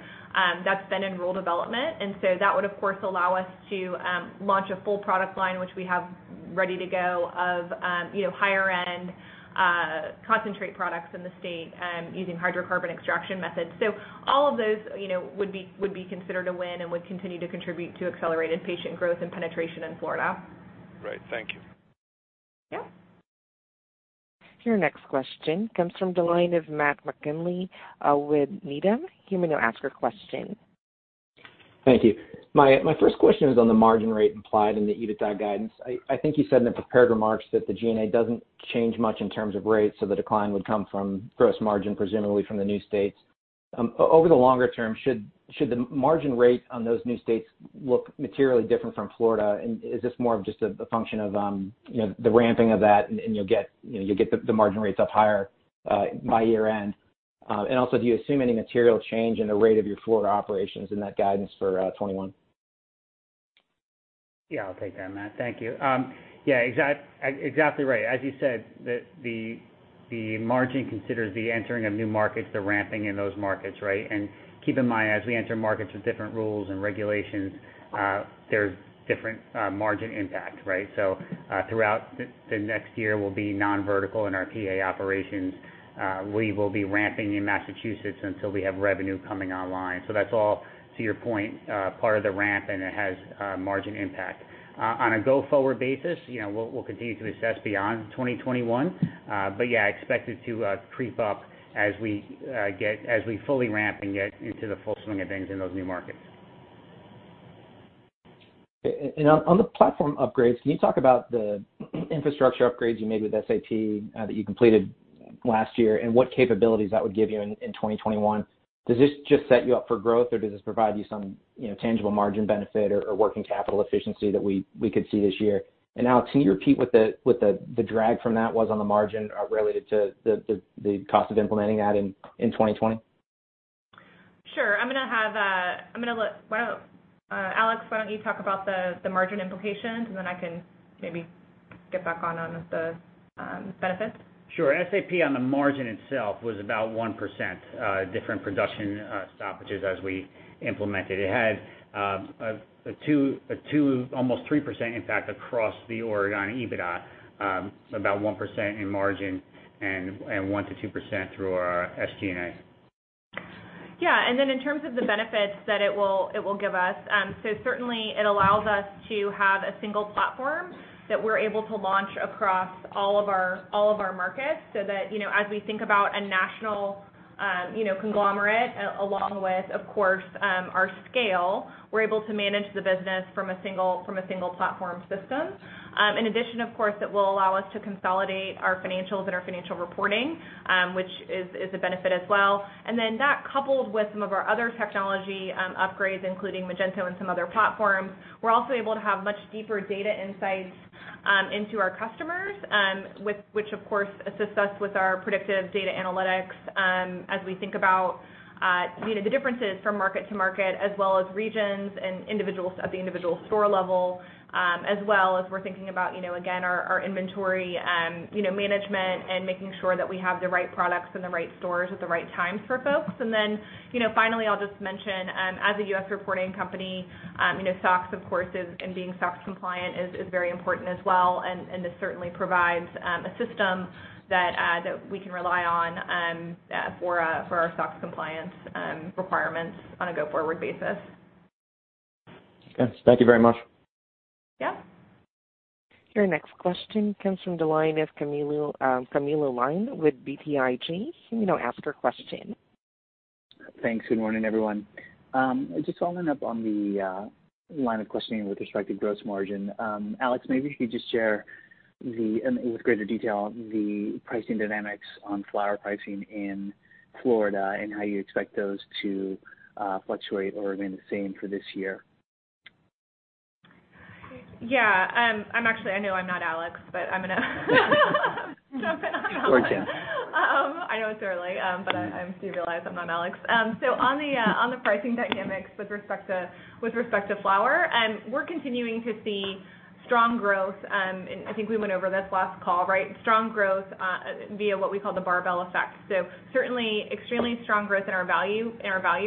That's been in rule development, that would, of course, allow us to launch a full product line, which we have ready to go of higher-end concentrate products in the state using hydrocarbon extraction methods. All of those would be considered a win and would continue to contribute to accelerated patient growth and penetration in Florida. Great. Thank you. Yeah. Your next question comes from the line of Matt McGinley with Needham. You may now ask your question. Thank you. My first question is on the margin rate implied in the EBITDA guidance. I think you said in the prepared remarks that the SG&A doesn't change much in terms of rates, so the decline would come from gross margin, presumably from the new states. Over the longer term, should the margin rate on those new states look materially different from Florida? Is this more of just a function of the ramping of that, and you'll get the margin rates up higher by year-end? Also, do you assume any material change in the rate of your Florida operations in that guidance for 2021? Yeah, I'll take that, Matt. Thank you. Yeah, exactly right. As you said, the margin considers the entering of new markets, the ramping in those markets, right? Keep in mind, as we enter markets with different rules and regulations, there's different margin impact, right? Throughout the next year, we'll be non-vertical in our PA operations. We will be ramping in Massachusetts until we have revenue coming online. That's all, to your point, part of the ramp, and it has a margin impact. On a go-forward basis, we'll continue to assess beyond 2021. Yeah, expect it to creep up as we fully ramp and get into the full swing of things in those new markets. Okay. On the platform upgrades, can you talk about the infrastructure upgrades you made with SAP that you completed last year, and what capabilities that would give you in 2021? Does this just set you up for growth, or does this provide you some tangible margin benefit or working capital efficiency that we could see this year? Alex, can you repeat what the drag from that was on the margin related to the cost of implementing that in 2020? Sure. Alex, why don't you talk about the margin implications, then I can maybe get back on with the benefits. Sure. SAP on the margin itself was about 1%, different production stoppages as we implemented. It had a 2, almost 3% impact across the overall EBITDA, about 1% in margin and 1%-2% through our SG&A. Yeah. In terms of the benefits that it will give us, certainly it allows us to have a single platform that we are able to launch across all of our markets, so that as we think about a national conglomerate, along with, of course, our scale, we are able to manage the business from a single platform system. In addition, of course, it will allow us to consolidate our financials and our financial reporting, which is a benefit as well. That coupled with some of our other technology upgrades, including Magento and some other platforms, we're also able to have much deeper data insights into our customers, which, of course, assists us with our predictive data analytics as we think about the differences from market to market, as well as regions and at the individual store level, as well as we're thinking about, again, our inventory management and making sure that we have the right products in the right stores at the right times for folks. Finally, I'll just mention, as a U.S. reporting company, SOX, of course, and being SOX compliant is very important as well, and this certainly provides a system that we can rely on for our SOX compliance requirements on a go-forward basis. Okay. Thank you very much. Yeah. Your next question comes from the line of Camilo Lyon with BTIG. You may now ask your question. Thanks. Good morning, everyone. Just following up on the line of questioning with respect to gross margin. Alex, maybe if you could just share with greater detail the pricing dynamics on flower pricing in Florida, and how you expect those to fluctuate or remain the same for this year. Yeah. I know I'm not Alex, but I'm going to jump in on Alex. Go ahead. I know it's early. I do realize I'm not Alex. On the pricing dynamics with respect to flower, we're continuing to see strong growth, and I think we went over this last call. Strong growth via what we call the barbell effect. Certainly extremely strong growth in our value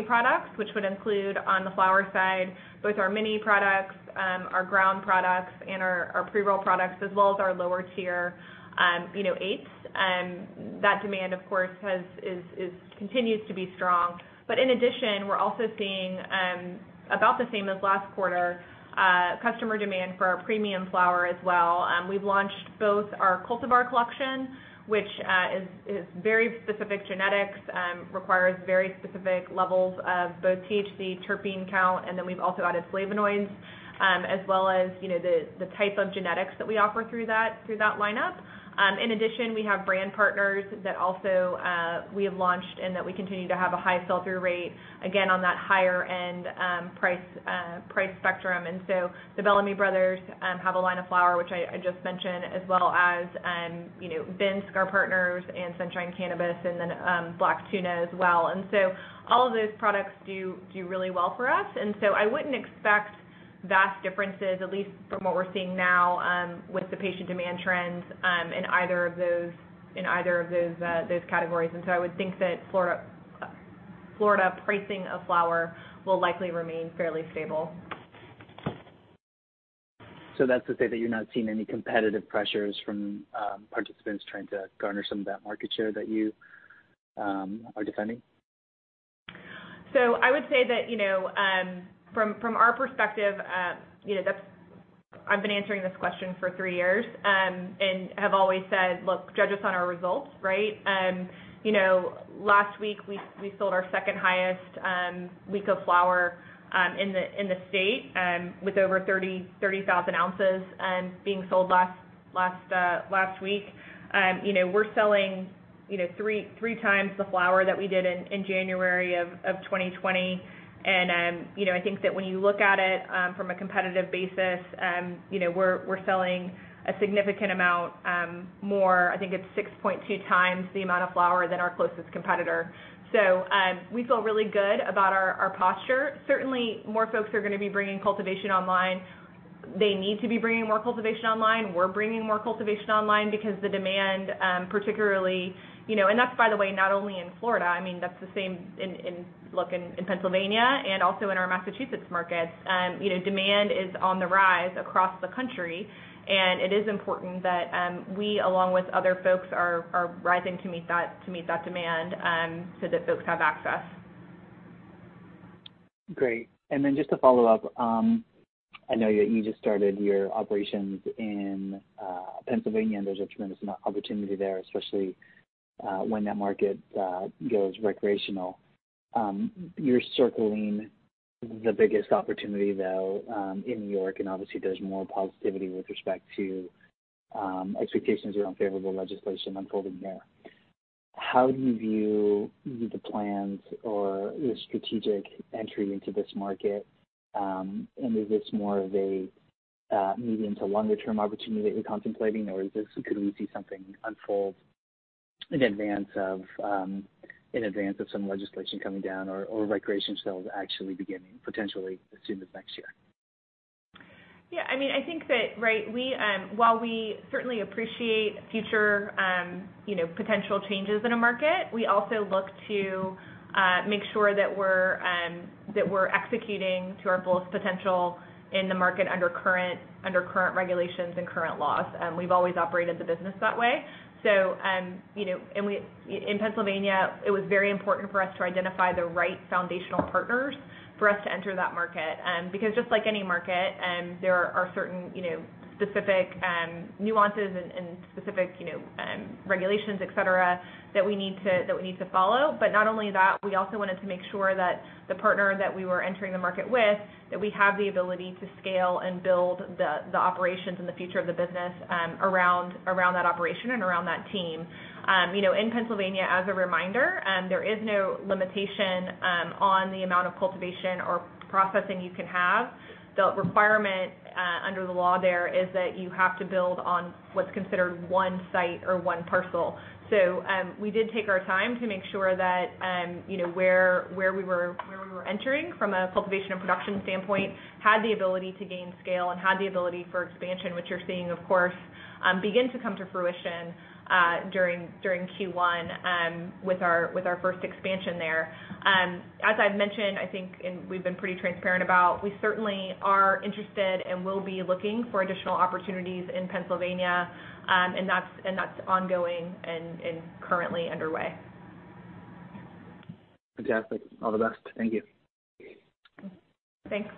products, which would include, on the flower side, both our mini products, our ground products, and our pre-roll products, as well as our lower tier eighths. That demand, of course, continues to be strong. In addition, we're also seeing about the same as last quarter, customer demand for our premium flower as well. We've launched both our Cultivar Collection, which is very specific genetics, requires very specific levels of both THC terpene count, and then we've also added flavonoids, as well as the type of genetics that we offer through that lineup. In addition, we have brand partners that also we have launched and that we continue to have a high sell-through rate, again, on that higher-end price spectrum. The Bellamy Brothers have a line of flower, which I just mentioned, as well as binske, our partners, and Sunshine Cannabis, and then Black Tuna as well. All of those products do really well for us, and so I wouldn't expect vast differences, at least from what we're seeing now, with the patient demand trends in either of those categories. I would think that Florida pricing of flower will likely remain fairly stable. That's to say that you're not seeing any competitive pressures from participants trying to garner some of that market share that you are defending? I would say that, from our perspective, I've been answering this question for 3 years, and have always said, look, judge us on our results. Last week, we sold our second-highest week of flower in the state, with over 30,000 ounces being sold last week. We're selling 3x the flower that we did in January of 2020, and I think that when you look at it from a competitive basis, we're selling a significant amount more. I think it's 6.2x the amount of flower than our closest competitor. We feel really good about our posture. Certainly, more folks are going to be bringing cultivation online. They need to be bringing more cultivation online. We're bringing more cultivation online because the demand, particularly, and that's by the way, not only in Florida, that's the same in Pennsylvania and also in our Massachusetts markets. Demand is on the rise across the country, and it is important that we, along with other folks, are rising to meet that demand so that folks have access. Great. Just to follow up, I know that you just started your operations in Pennsylvania, and there's a tremendous amount of opportunity there, especially when that market goes recreational. You're circling the biggest opportunity, though, in New York, and obviously there's more positivity with respect to expectations around favorable legislation unfolding there. How do you view the plans or the strategic entry into this market, and is this more of a medium to longer-term opportunity that you're contemplating, or could we see something unfold in advance of some legislation coming down or recreational sales actually beginning potentially as soon as next year? Yeah, I think that while we certainly appreciate future potential changes in a market, we also look to make sure that we're executing to our fullest potential in the market under current regulations and current laws. We've always operated the business that way. In Pennsylvania, it was very important for us to identify the right foundational partners for us to enter that market. Just like any market, there are certain specific nuances and specific regulations, et cetera, that we need to follow. Not only that, we also wanted to make sure that the partner that we were entering the market with, that we have the ability to scale and build the operations and the future of the business around that operation and around that team. In Pennsylvania, as a reminder, there is no limitation on the amount of cultivation or processing you can have. The requirement under the law there is that you have to build on what's considered one site or one parcel. We did take our time to make sure that where we were entering from a cultivation and production standpoint, had the ability to gain scale and had the ability for expansion, which you're seeing, of course, begin to come to fruition during Q1 with our first expansion there. As I've mentioned, I think, and we've been pretty transparent about, we certainly are interested and will be looking for additional opportunities in Pennsylvania, and that's ongoing and currently underway. Fantastic. All the best. Thank you. Thanks.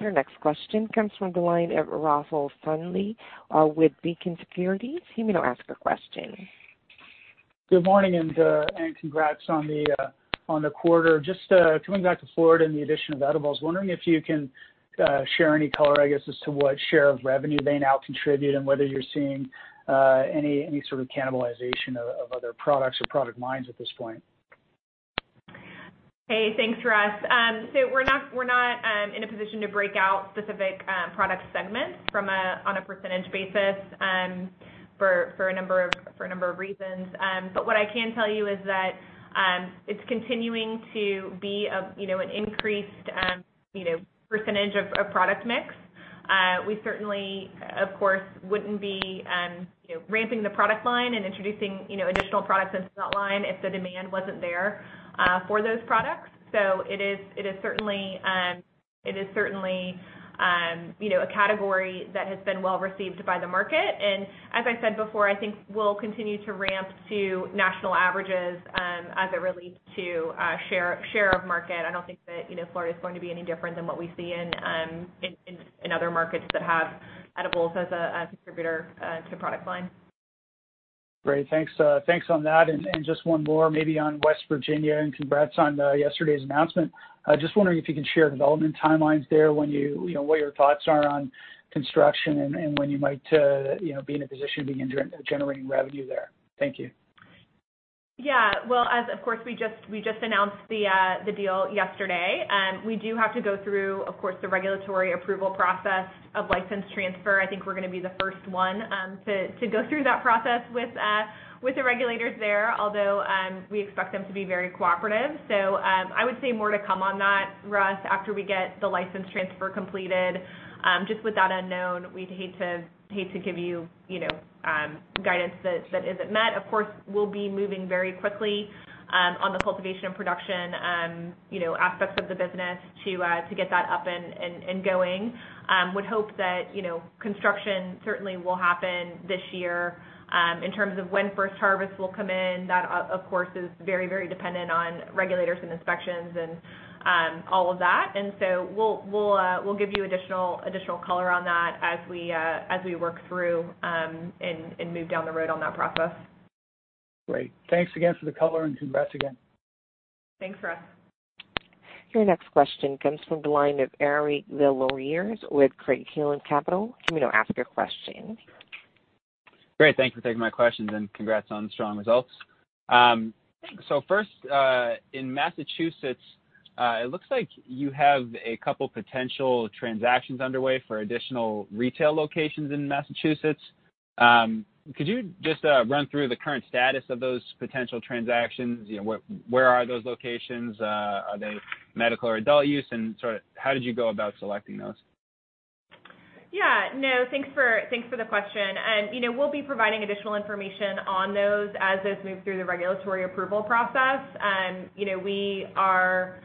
Your next question comes from the line of Russ Stanley with Beacon Securities. You may now ask your question. Good morning. Congrats on the quarter. Just coming back to Florida and the addition of edibles, wondering if you can share any color, I guess, as to what share of revenue they now contribute and whether you're seeing any sort of cannibalization of other products or product lines at this point. Hey, thanks, Russ. We're not in a position to break out specific product segments on a percentage basis for a number of reasons. What I can tell you is that it's continuing to be an increased percentage of product mix. We certainly, of course, wouldn't be ramping the product line and introducing additional products into that line if the demand wasn't there for those products. It is certainly a category that has been well-received by the market. As I said before, I think we'll continue to ramp to national averages as it relates to share of market. I don't think that Florida's going to be any different than what we see in other markets that have edibles as a contributor to the product line. Great. Thanks on that. Just one more maybe on West Virginia, and congrats on yesterday's announcement. Just wondering if you can share development timelines there, what your thoughts are on construction and when you might be in a position to begin generating revenue there. Thank you. Well, as of course, we just announced the deal yesterday. We do have to go through, of course, the regulatory approval process of license transfer. I think we're going to be the first one to go through that process with the regulators there, although, we expect them to be very cooperative. I would say more to come on that, Russ, after we get the license transfer completed. Just with that unknown, we'd hate to give you guidance that isn't met. Of course, we'll be moving very quickly on the cultivation and production aspects of the business to get that up and going. Would hope that construction certainly will happen this year. In terms of when first harvest will come in, that of course is very dependent on regulators and inspections and all of that. We'll give you additional color on that as we work through and move down the road on that process. Great. Thanks again for the color and congrats again. Thanks, Russ. Your next question comes from the line of Eric Des Lauriers with Craig-Hallum Capital. You may now ask your question. Great. Thanks for taking my questions and congrats on strong results. Thanks. First, in Massachusetts, it looks like you have a couple potential transactions underway for additional retail locations in Massachusetts. Could you just run through the current status of those potential transactions? Where are those locations? Are they medical or adult use, and how did you go about selecting those? Yeah. No, thanks for the question. We'll be providing additional information on those as those move through the regulatory approval process. We are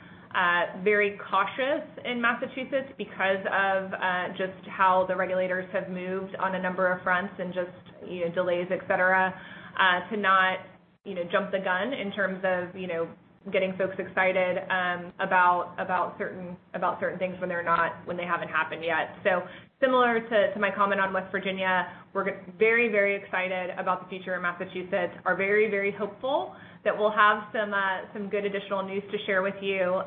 very cautious in Massachusetts because of just how the regulators have moved on a number of fronts and just delays, et cetera, to not jump the gun in terms of getting folks excited about certain things when they haven't happened yet. Similar to my comment on West Virginia, we're very excited about the future in Massachusetts. We are very hopeful that we'll have some good additional news to share with you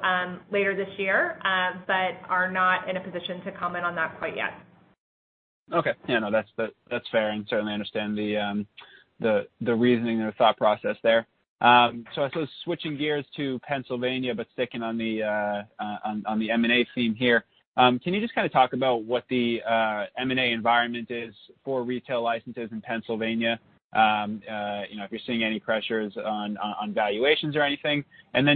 later this year. We are not in a position to comment on that quite yet. Okay. Yeah, no, that's fair, and certainly understand the reasoning or the thought process there. I suppose switching gears to Pennsylvania, but sticking on the M&A theme here. Can you just talk about what the M&A environment is for retail licenses in Pennsylvania? If you're seeing any pressures on valuations or anything.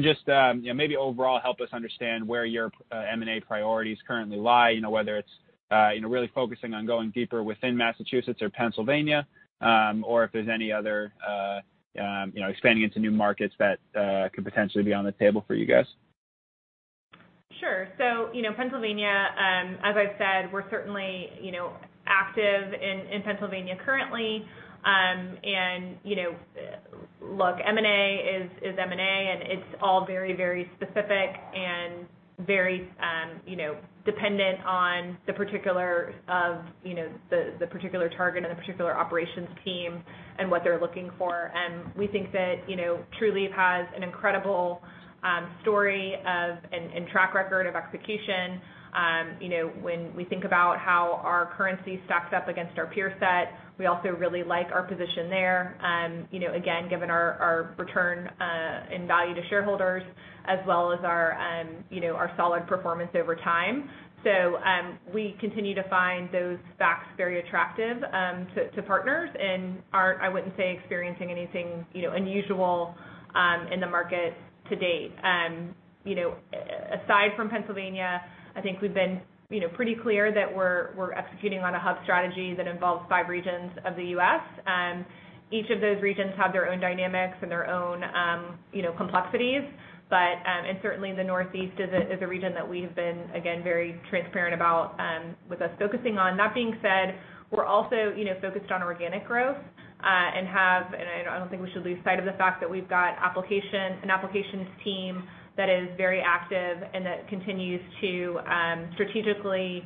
Just maybe overall help us understand where your M&A priorities currently lie, whether it's really focusing on going deeper within Massachusetts or Pennsylvania, or if there's any other expanding into new markets that could potentially be on the table for you guys. Sure. Pennsylvania, as I've said, we're certainly active in Pennsylvania currently. Look, M&A is M&A and it's all very specific and very dependent on the particular target and the particular operations team and what they're looking for. We think that Trulieve has an incredible story and track record of execution. When we think about how our currency stacks up against our peer set, we also really like our position there. Again, given our return in value to shareholders as well as our solid performance over time. We continue to find those facts very attractive to partners and aren't, I wouldn't say, experiencing anything unusual in the market to date. Aside from Pennsylvania, I think we've been pretty clear that we're executing on a hub strategy that involves five regions of the U.S. Each of those regions have their own dynamics and their own complexities, but, and certainly the Northeast is a region that we've been, again, very transparent about with us focusing on. That being said, we're also focused on organic growth, and I don't think we should lose sight of the fact that we've got an applications team that is very active and that continues to strategically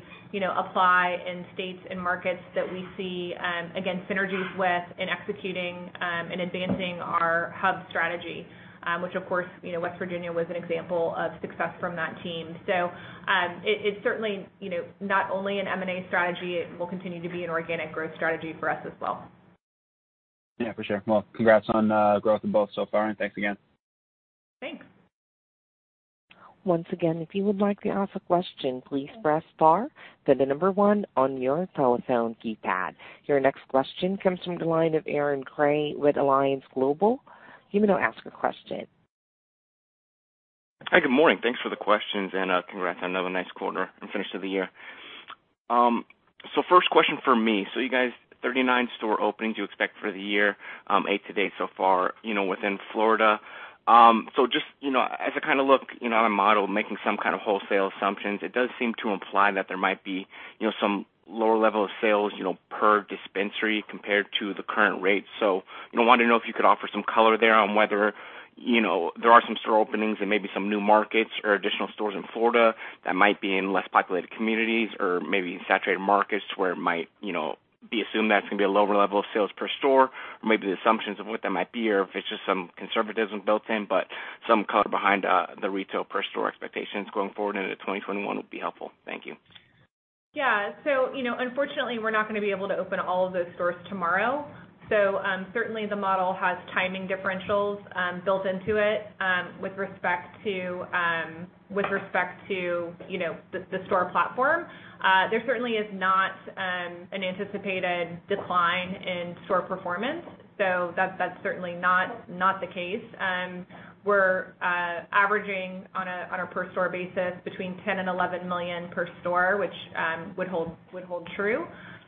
apply in states and markets that we see, again, synergies with in executing and advancing our hub strategy, which of course, West Virginia was an example of success from that team. It's certainly not only an M&A strategy, it will continue to be an organic growth strategy for us as well. Yeah, for sure. Well, congrats on growth of both so far, and thanks again. Thanks. Once again, if you would like to ask a question, please press star, then the number one on your telephone keypad. Your next question comes from the line of Aaron Grey with Alliance Global. You may now ask a question. Hi, good morning. Thanks for the questions, and congrats on another nice quarter and finish to the year. First question from me. You guys, 39 store openings you expect for the year, eight to-date so far within Florida. Just as I look on a model making some kind of wholesale assumptions, it does seem to imply that there might be some lower level of sales per dispensary compared to the current rate. Wanted to know if you could offer some color there on whether there are some store openings and maybe some new markets or additional stores in Florida that might be in less populated communities or maybe in saturated markets where it might be assumed that it's going to be a lower level of sales per store, or maybe the assumptions of what that might be, or if it's just some conservatism built in, but some color behind the retail per store expectations going forward into 2021 would be helpful. Thank you. Yeah. Unfortunately, we're not going to be able to open all of those stores tomorrow. Certainly the model has timing differentials built into it with respect to the store platform. There certainly is not an anticipated decline in store performance. That's certainly not the case. We're averaging on a per store basis between $10 million and $11 million per store, which would hold true.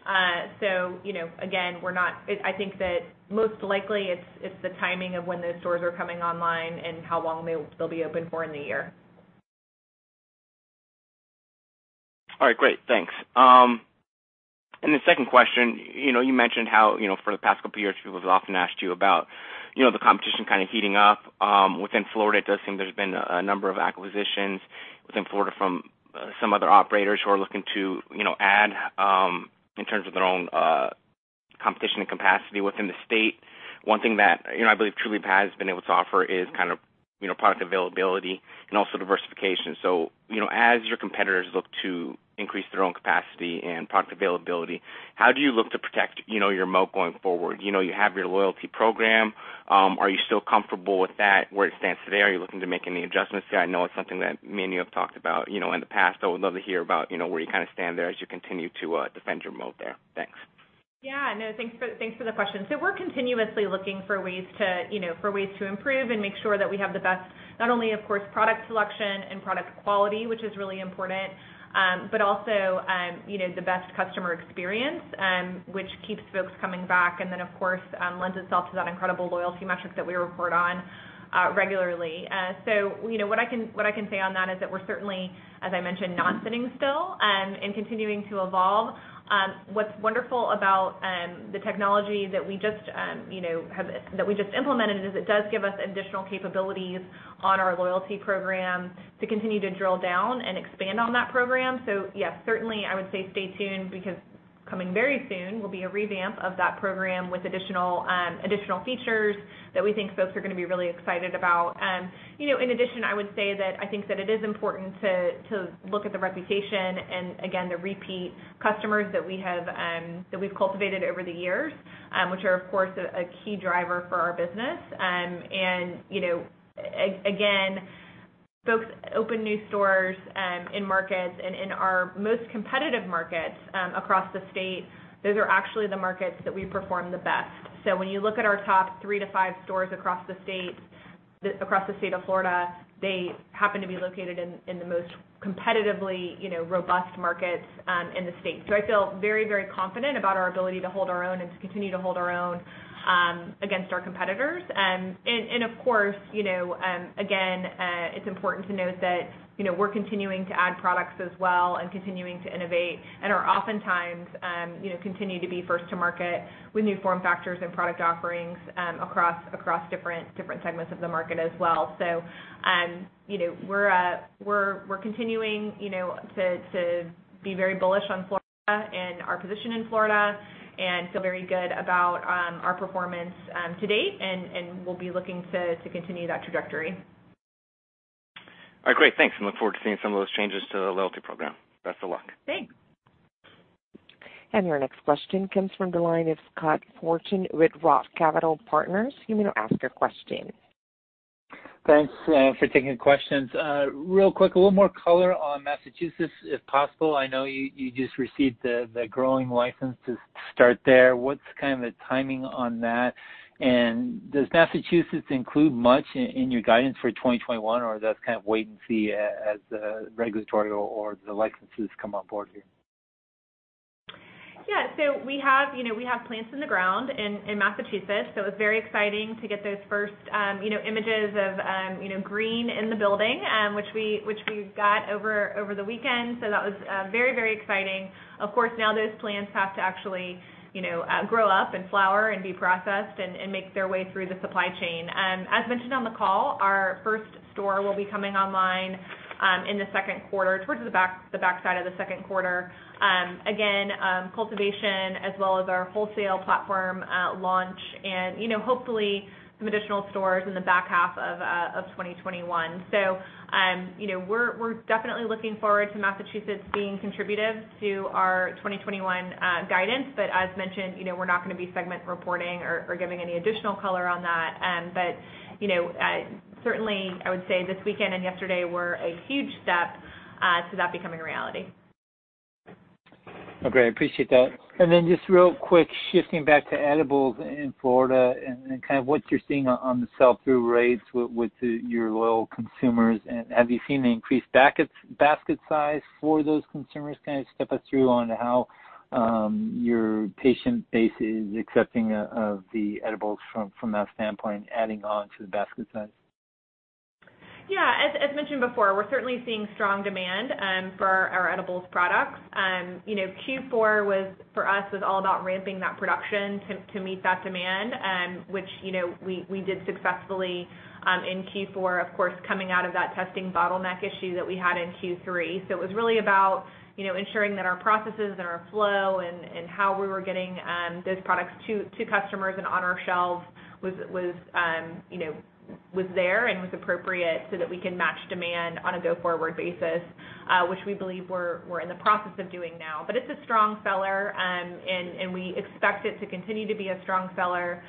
Again, I think that most likely it's the timing of when those stores are coming online and how long they'll be open for in the year. All right, great. Thanks. The second question, you mentioned how, for the past couple of years, people have often asked you about the competition kind of heating up within Florida. It does seem there's been a number of acquisitions within Florida from some other operators who are looking to add in terms of their own competition and capacity within the state. One thing that I believe Trulieve has been able to offer is product availability and also diversification. As your competitors look to increase their own capacity and product availability, how do you look to protect your moat going forward? You have your loyalty program. Are you still comfortable with that, where it stands today? Are you looking to make any adjustments there? I know it's something that many of you have talked about in the past, so would love to hear about where you kind of stand there as you continue to defend your moat there. Thanks. Yeah. No, thanks for the question. We're continuously looking for ways to improve and make sure that we have the best, not only of course product selection and product quality, which is really important, but also the best customer experience, which keeps folks coming back and then, of course, lends itself to that incredible loyalty metric that we report on regularly. What I can say on that is that we're certainly, as I mentioned, not sitting still and continuing to evolve. What's wonderful about the technology that we just implemented is it does give us additional capabilities on our loyalty program to continue to drill down and expand on that program. Yeah, certainly, I would say stay tuned because coming very soon will be a revamp of that program with additional features that we think folks are going to be really excited about. In addition, I would say that I think that it is important to look at the reputation and again, the repeat customers that we've cultivated over the years, which are of course, a key driver for our business. Again, folks open new stores in markets and in our most competitive markets across the state, those are actually the markets that we perform the best. When you look at our top 3-5 stores across the state of Florida, they happen to be located in the most competitively robust markets in the state. I feel very, very confident about our ability to hold our own and to continue to hold our own against our competitors. Of course, again, it's important to note that we're continuing to add products as well and continuing to innovate and are oftentimes continue to be first to market with new form factors and product offerings across different segments of the market as well. We're continuing to be very bullish on Florida and our position in Florida and feel very good about our performance to date, and we'll be looking to continue that trajectory. All right, great. Thanks. I look forward to seeing some of those changes to the loyalty program. Best of luck. Thanks. Your next question comes from the line of Scott Fortune with Roth Capital Partners. You may now ask your question. Thanks for taking the questions. Real quick, a little more color on Massachusetts, if possible. I know you just received the growing license to start there. What's kind of the timing on that? Does Massachusetts include much in your guidance for 2021, or that's kind of wait and see as the regulatory or the licenses come on board here? Yeah. We have plants in the ground in Massachusetts, so it was very exciting to get those first images of green in the building, which we got over the weekend. That was very exciting. Of course, now those plants have to actually grow up and flower and be processed and make their way through the supply chain. As mentioned on the call, our first store will be coming online in the second quarter, towards the backside of the second quarter. Again, cultivation as well as our wholesale platform launch and hopefully some additional stores in the back half of 2021. We're definitely looking forward to Massachusetts being contributive to our 2021 guidance. As mentioned, we're not going to be segment reporting or giving any additional color on that. Certainly, I would say this weekend and yesterday were a huge step to that becoming a reality. Okay, I appreciate that. Just real quick, shifting back to edibles in Florida and what you're seeing on the sell-through rates with your loyal consumers. Have you seen an increased basket size for those consumers? Step us through on how your patient base is accepting of the edibles from that standpoint, adding on to the basket size. Yeah. As mentioned before, we're certainly seeing strong demand for our edibles products. Q4 for us was all about ramping that production to meet that demand, which we did successfully in Q4, of course, coming out of that testing bottleneck issue that we had in Q3. It was really about ensuring that our processes and our flow and how we were getting those products to customers and on our shelves was there and was appropriate so that we can match demand on a go-forward basis, which we believe we're in the process of doing now. It's a strong seller, and we expect it to continue to be a strong seller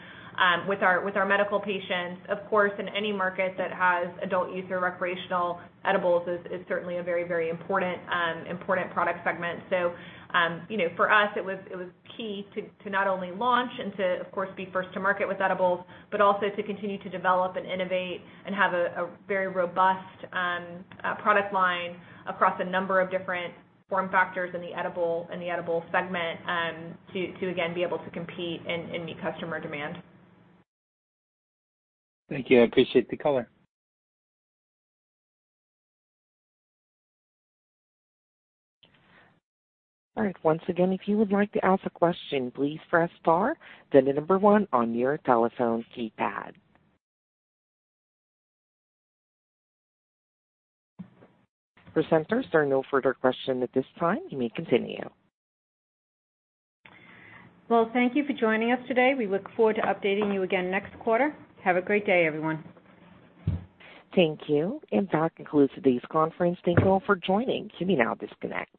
with our medical patients. Of course, in any market that has adult-use or recreational edibles, it's certainly a very important product segment. For us, it was key to not only launch and to, of course, be first to market with edibles, but also to continue to develop and innovate and have a very robust product line across a number of different form factors in the edible segment to, again, be able to compete and meet customer demand. Thank you. I appreciate the color. All right. Once again, if you would like to ask a question, please press star, then the number 1 on your telephone keypad. Presenters, there are no further questions at this time. You may continue. Well, thank you for joining us today. We look forward to updating you again next quarter. Have a great day, everyone. Thank you. That concludes today's conference. Thank you all for joining. You may now disconnect.